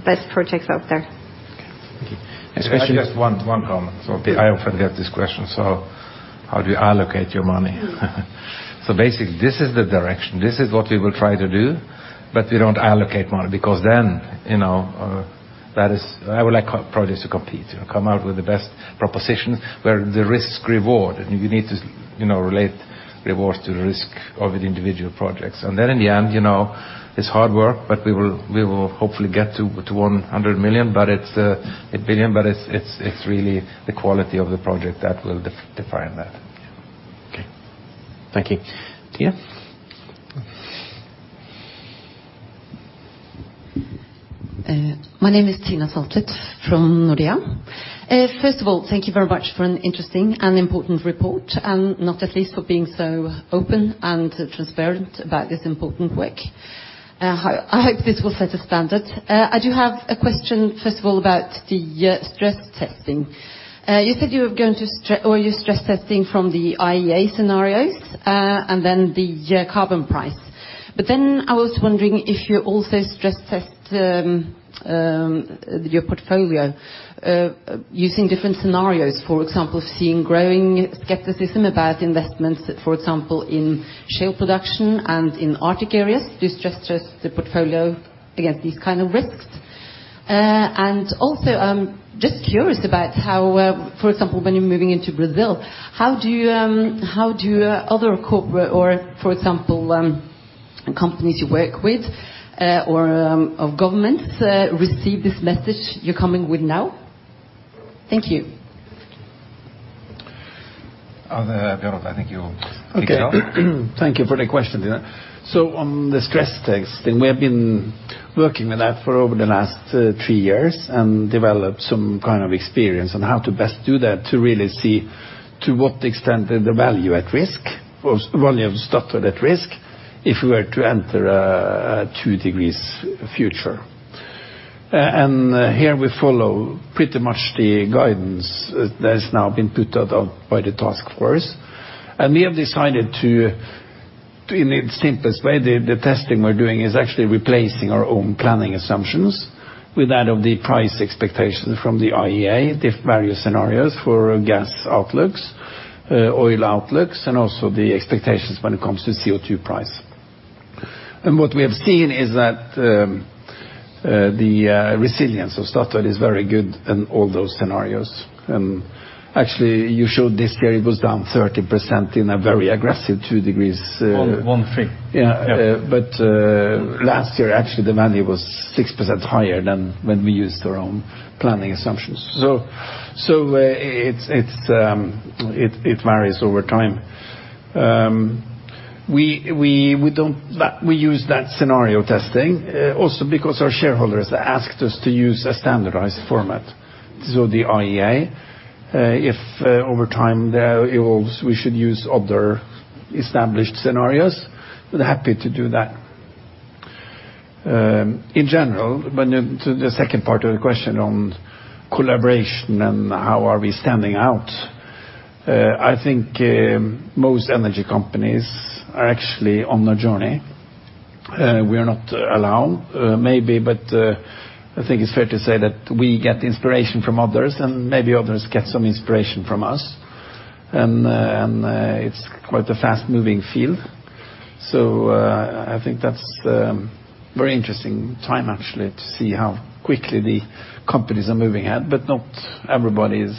best projects out there. Okay. Thank you. Especially- I just, one comment. I often get this question, how do you allocate your money? Basically, this is the direction, this is what we will try to do, we don't allocate money because then, I would like projects to compete, to come out with the best propositions where the risks reward, and you need to relate rewards to the risk of the individual projects. Then in the end, it's hard work, we will hopefully get to 100 billion, it's really the quality of the project that will define that. Okay. Thank you. Thina? My name is Thina Saltvedt from Nordea. First of all, thank you very much for an interesting and important report, and not at least for being so open and transparent about this important work. I hope this will set a standard. I do have a question, first of all about the stress testing. You said you're stress testing from the IEA scenarios, and then the carbon price. I was wondering if you also stress test your portfolio, using different scenarios. For example, seeing growing skepticism about investments, for example, in shale production and in Arctic areas. Do you stress test the portfolio against these kind of risks? I'm just curious about how, for example, when you're moving into Brazil, how do other corporate, or for example, companies you work with, or of governments, receive this message you're coming with now? Thank you. Bjørnar Otto, I think you'll excel. Thank you for the question, Thina. On the stress testing, we have been working with that for over the last three years and developed some kind of experience on how to best do that to really see to what extent the value at risk, or value of Statoil at risk, if we were to enter a two degrees future. Here we follow pretty much the guidance that has now been put out by the task force. We have decided to, in the simplest way, the testing we're doing is actually replacing our own planning assumptions with that of the price expectation from the IEA, the various scenarios for gas outlooks, oil outlooks, and also the expectations when it comes to CO2 price. What we have seen is that the resilience of Statoil is very good in all those scenarios. Actually, you showed this year it was down 30% in a very aggressive two degrees. One thing. Yeah. Yeah. Last year, actually, the value was 6% higher than when we used our own planning assumptions. It varies over time. We use that scenario testing also because our shareholders asked us to use a standardized format. The IEA if over time they evolves, we should use other established scenarios, we're happy to do that. In general, to the second part of the question on collaboration and how are we standing out, I think most energy companies are actually on a journey. We are not alone. Maybe, but I think it's fair to say that we get inspiration from others, and maybe others get some inspiration from us. It's quite a fast-moving field. I think that's very interesting time actually to see how quickly the companies are moving ahead, but not everybody is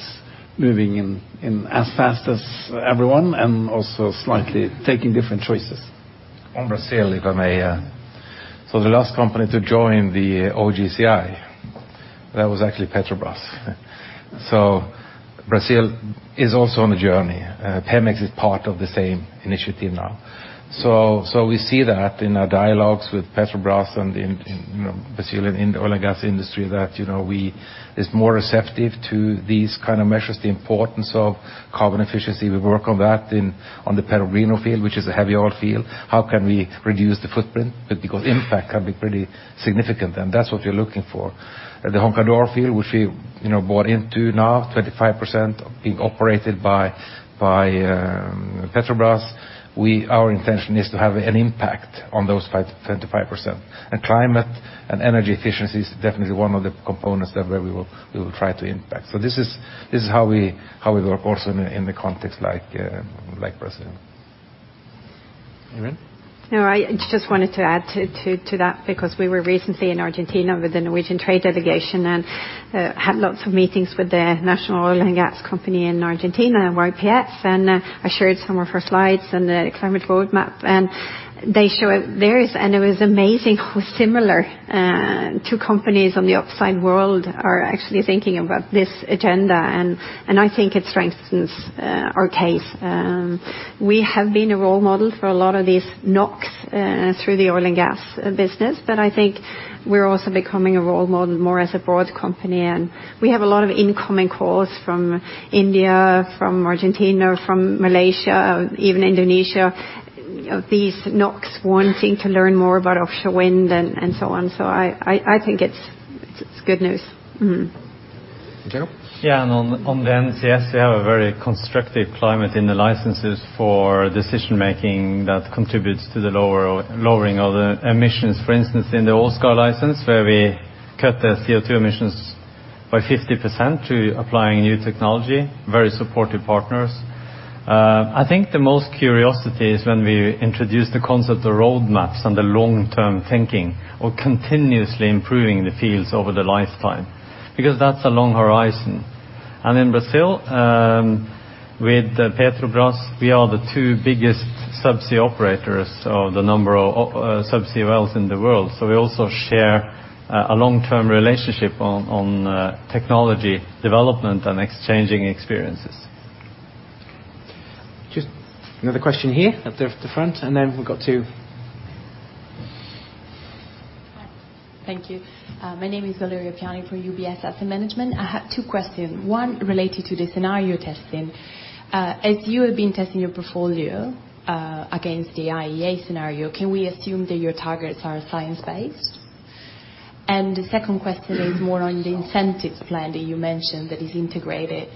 moving in as fast as everyone, and also slightly taking different choices. On Brazil, if I may. The last company to join the OGCI, that was actually Petrobras. Brazil is also on a journey. Pemex is part of the same initiative now. We see that in our dialogues with Petrobras and in Brazil and in the oil and gas industry that is more receptive to these kind of measures, the importance of carbon efficiency. We work on that on the Peregrino field, which is a heavy oil field. How can we reduce the footprint? Because impact can be pretty significant, and that's what we're looking for. The Roncador field, which we bought into now 25% being operated by Petrobras, our intention is to have an impact on those 25%. Climate and energy efficiency is definitely one of the components that where we will try to impact. This is how we work also in the context like Brazil. Irene? No, I just wanted to add to that because we were recently in Argentina with the Norwegian trade delegation and had lots of meetings with the national oil and gas company in Argentina, YPF, and I shared some of our slides and the climate roadmap, and they show theirs, and it was amazing how similar Two companies on the upside world are actually thinking about this agenda, and I think it strengthens our case. We have been a role model for a lot of these NOCs through the oil and gas business, but I think we're also becoming a role model more as a broad company. We have a lot of incoming calls from India, from Argentina, from Malaysia, even Indonesia, these NOCs wanting to learn more about offshore wind and so on. I think it's good news. Gerald? On the NCS, we have a very constructive climate in the licenses for decision-making that contributes to the lowering of the emissions. For instance, in the Oseberg license, where we cut the CO2 emissions by 50% to applying new technology, very supportive partners. I think the most curiosity is when we introduce the concept of roadmaps and the long-term thinking or continuously improving the fields over the lifetime, because that's a long horizon. In Brazil, with Petrobras, we are the two biggest subsea operators of the number of subsea wells in the world. We also share a long-term relationship on technology development and exchanging experiences. Just another question here at the front, and then we've got two. Hi. Thank you. My name is Valeria Piani for UBS Asset Management. I have two questions. One related to the scenario testing. As you have been testing your portfolio against the IEA scenario, can we assume that your targets are science-based? The second question is more on the incentives plan that you mentioned that is integrated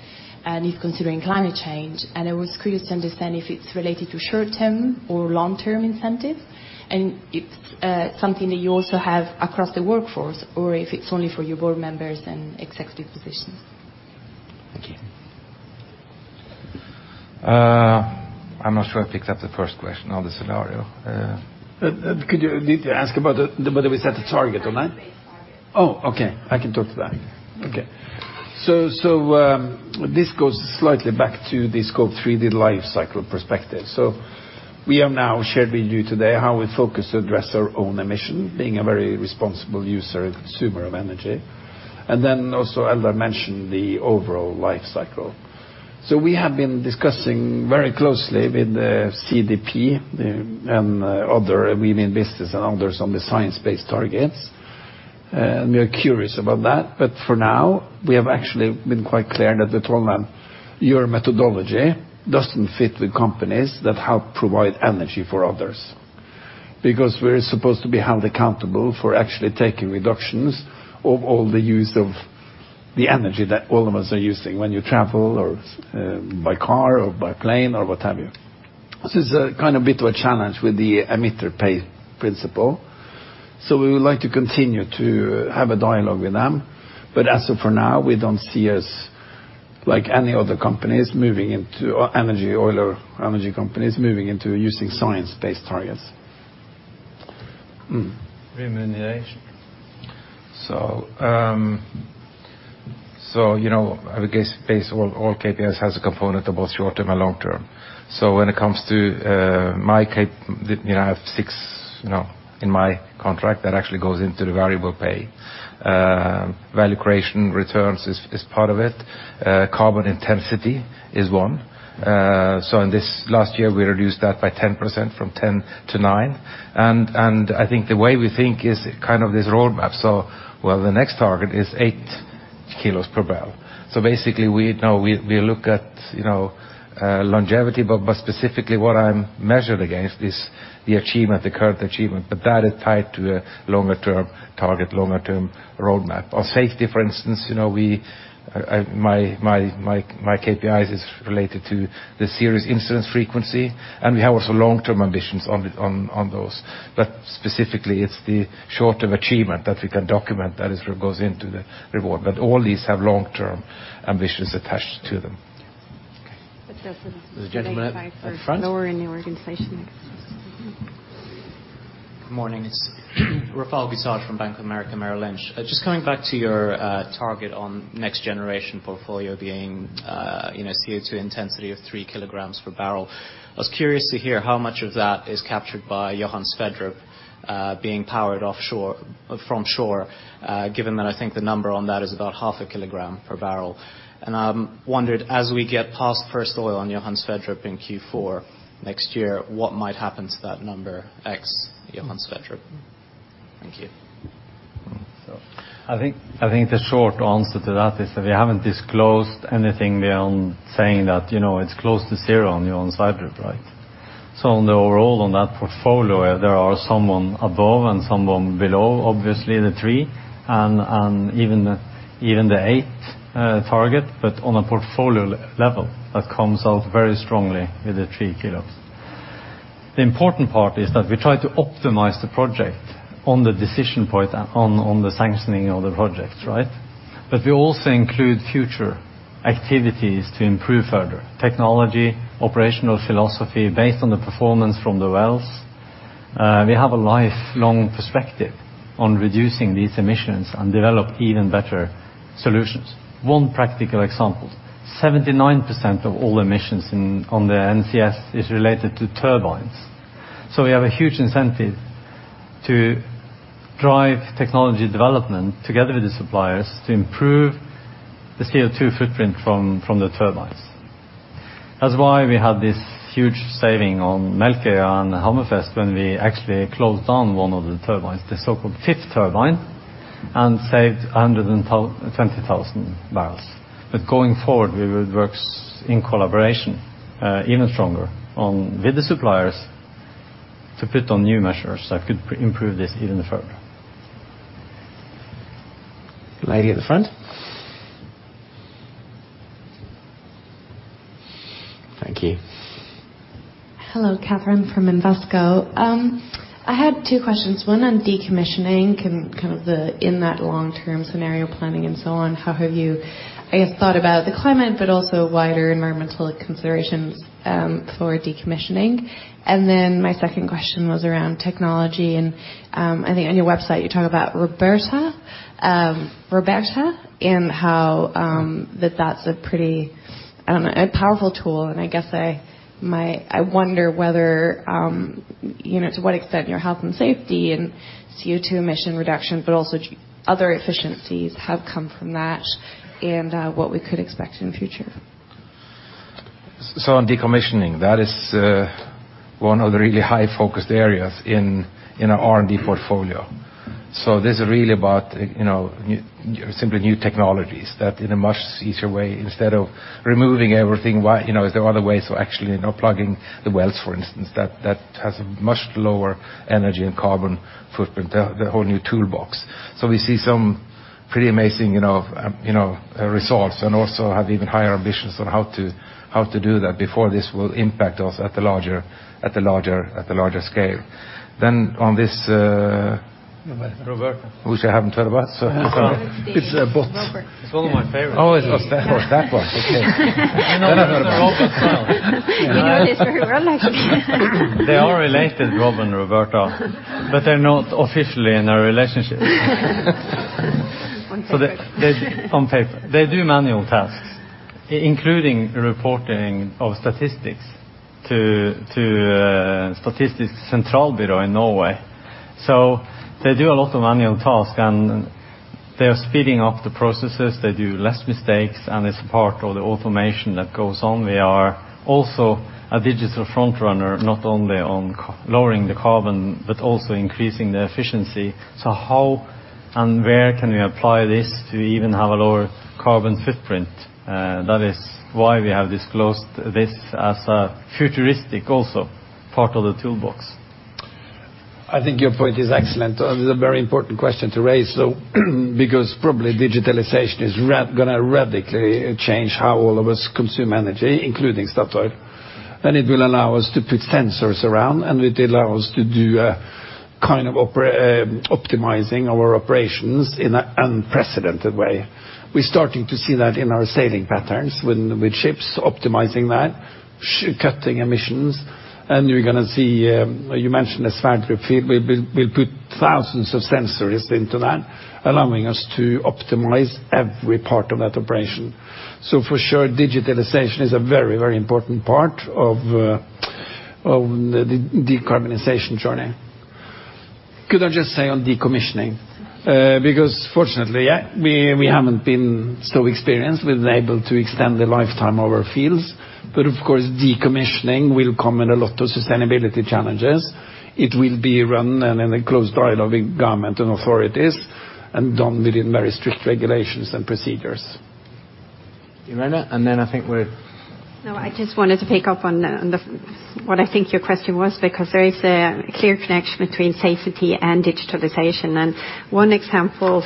and is considering climate change. I was curious to understand if it's related to short-term or long-term incentives, and it's something that you also have across the workforce, or if it's only for your board members and executive positions. Thank you. I'm not sure I picked up the first question on the scenario. Could you need to ask about whether we set a target on that? science-based target. Oh, okay. I can talk to that. Okay. This goes slightly back to this called 3D life cycle perspective. We have now shared with you today how we focus to address our own emission, being a very responsible user and consumer of energy, and then also Eldar mentioned the overall life cycle. We have been discussing very closely with the CDP and other, We Mean Business and others on the science-based targets. We are curious about that. For now, we have actually been quite clear that we told them, your methodology doesn't fit with companies that help provide energy for others. We're supposed to be held accountable for actually taking reductions of all the use of the energy that all of us are using when you travel or by car or by plane or what have you. This is a kind of bit of a challenge with the emitter pay principle. We would like to continue to have a dialogue with them, but as of for now, we don't see us, like any other energy companies moving into using science-based targets. Remuneration. I would guess, based on all KPIs has a component of both short-term and long-term. When it comes to my KP, I have six in my contract that actually goes into the variable pay. Value creation returns is part of it. Carbon intensity is one. In this last year, we reduced that by 10% from 10 to nine. I think the way we think is kind of this roadmap. While the next target is eight kilos per barrel. Basically, we look at longevity, but specifically what I'm measured against is the current achievement, but that is tied to a longer-term target, longer-term roadmap. On safety, for instance, my KPIs is related to the serious incidence frequency, and we have also long-term ambitions on those. Specifically, it's the short-term achievement that we can document that goes into the reward. All these have long-term ambitions attached to them. Okay. This gentleman at the front. Lower in the organization. Good morning. It's Rafal Guizad from Bank of America Merrill Lynch. Just coming back to your target on next generation portfolio being CO2 intensity of three kilograms per barrel. I was curious to hear how much of that is captured by Johan Sverdrup being powered from shore, given that I think the number on that is about half a kilogram per barrel. I wondered, as we get past first oil on Johan Sverdrup in Q4 next year, what might happen to that number ex-Johan Sverdrup? Thank you. I think the short answer to that is that we haven't disclosed anything beyond saying that it's close to zero on Johan Sverdrup. On the overall on that portfolio, there are some above and some below, obviously the 3, and even the 8 target, but on a portfolio level, that comes out very strongly with the 3 kilos. The important part is that we try to optimize the project on the decision point, on the sanctioning of the project. We also include future activities to improve further. Technology, operational philosophy based on the performance from the wells. We have a lifelong perspective on reducing these emissions and develop even better solutions. One practical example, 79% of all emissions on the NCS is related to turbines. We have a huge incentive to drive technology development together with the suppliers to improve the CO2 footprint from the turbines. That's why we had this huge saving on Melkøya and Hammerfest when we actually closed down one of the turbines, the so-called fifth turbine, and saved 120,000 barrels. Going forward, we will work in collaboration, even stronger, with the suppliers to put on new measures that could improve this even further. Lady at the front. Thank you. Hello. Catherine from Invesco. I had two questions. One on decommissioning, in that long-term scenario planning and so on, how have you, I guess, thought about the climate, but also wider environmental considerations for decommissioning? My second question was around technology, and I think on your website, you talk about Roberta, and how that's a pretty, I don't know, a powerful tool, and I wonder to what extent your health and safety and CO2 emission reduction, but also other efficiencies have come from that, and what we could expect in future. On decommissioning, that is one of the really high-focused areas in our R&D portfolio. This is really about simply new technologies that in a much easier way, instead of removing everything, is there other ways of actually plugging the wells, for instance, that has a much lower energy and carbon footprint, the whole new toolbox. We see some pretty amazing results and also have even higher ambitions on how to do that before this will impact us at the larger scale. On Roberta which I haven't heard about. It's a bot. It's Roberta. It's one of my favorites. Oh, it was that one. Okay. I've heard about it. You know this Roberta. They are related, Rob and Roberta, but they're not officially in a relationship. On paper. On paper. They do manual tasks, including reporting of statistics to Statistics Central Bureau in Norway. They do a lot of manual tasks, and they are speeding up the processes. They do less mistakes, and it's part of the automation that goes on. We are also a digital front-runner, not only on lowering the carbon, but also increasing the efficiency. How and where can we apply this to even have a lower carbon footprint? That is why we have disclosed this as a futuristic also part of the toolbox. I think your point is excellent. It was a very important question to raise, though, because probably digitalization is going to radically change how all of us consume energy, including Statoil. It will allow us to put sensors around, and it allow us to do a kind of optimizing our operations in an unprecedented way. We're starting to see that in our sailing patterns with ships, optimizing that, cutting emissions, and you're going to see, you mentioned the Sverdrup field. We'll put thousands of sensors into that, allowing us to optimize every part of that operation. For sure, digitalization is a very important part of the decarbonization journey. Could I just say on decommissioning, because fortunately, we haven't been so experienced. We've been able to extend the lifetime of our fields, but of course, decommissioning will come with a lot of sustainability challenges. It will be run in a close dialogue with government and authorities and done within very strict regulations and procedures. Irene, and then I think we're I just wanted to pick up on what I think your question was because there is a clear connection between safety and digitalization. One example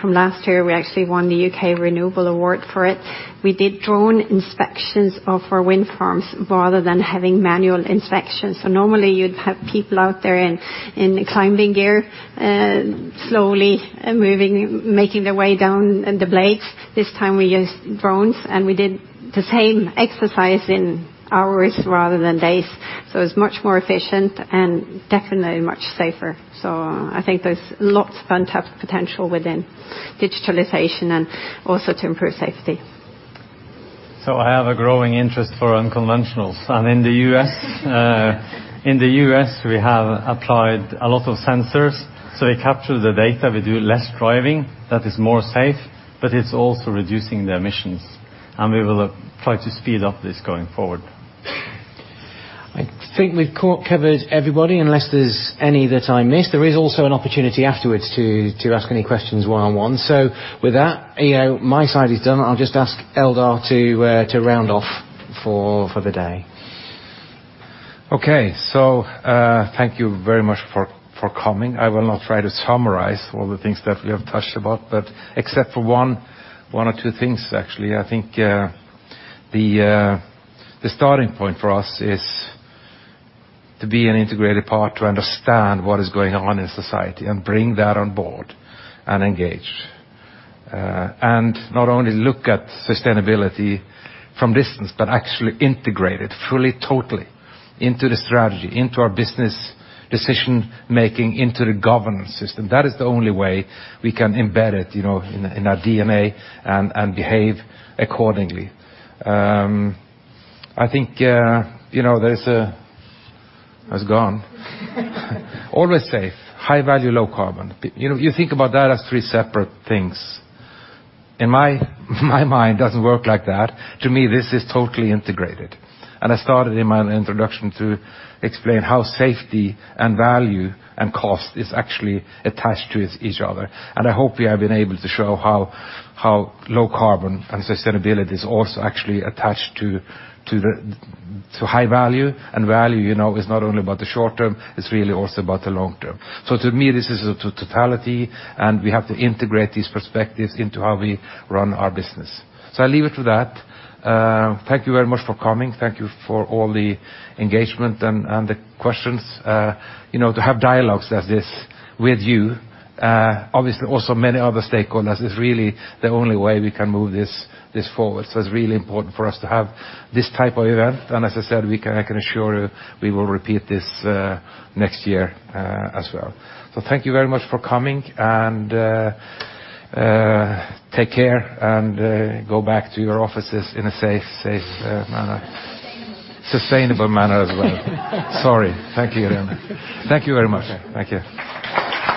from last year, we actually won the U.K. renewable award for it. We did drone inspections of our wind farms rather than having manual inspections. Normally you'd have people out there in climbing gear, slowly making their way down the blades. This time we used drones, and we did the same exercise in hours rather than days. It's much more efficient and definitely much safer. I think there's lots of untapped potential within digitalization and also to improve safety. I have a growing interest for unconventionals, and in the U.S., we have applied a lot of sensors. We capture the data, we do less driving, that is more safe, but it is also reducing the emissions. We will try to speed up this going forward. I think we have covered everybody, unless there is any that I missed. There is also an opportunity afterwards to ask any questions one-on-one. With that, my side is done. I will just ask Eldar Sætre to round off for the day. Okay. Thank you very much for coming. I will not try to summarize all the things that we have touched about, but except for one or two things, actually. I think the starting point for us is to be an integrated part, to understand what is going on in society and bring that on board and engage. Not only look at sustainability from distance, but actually integrate it fully, totally into the strategy, into our business decision-making, into the governance system. That is the only way we can embed it in our DNA and behave accordingly. It is gone. Always safe, high value, low carbon. You think about that as three separate things. In my mind, it does not work like that. To me, this is totally integrated. I started in my introduction to explain how safety and value and cost is actually attached to each other. I hope we have been able to show how low carbon and sustainability is also actually attached to high value. Value is not only about the short term, it is really also about the long term. To me, this is a totality, and we have to integrate these perspectives into how we run our business. I leave it to that. Thank you very much for coming. Thank you for all the engagement and the questions. To have dialogues as this with you, obviously also many other stakeholders, is really the only way we can move this forward. It is really important for us to have this type of event. As I said, I can assure you we will repeat this next year as well. Thank you very much for coming, and take care, and go back to your offices in a safe manner. Sustainable. Sustainable manner as well. Sorry. Thank you, Irene. Thank you very much. Okay. Thank you. Take care.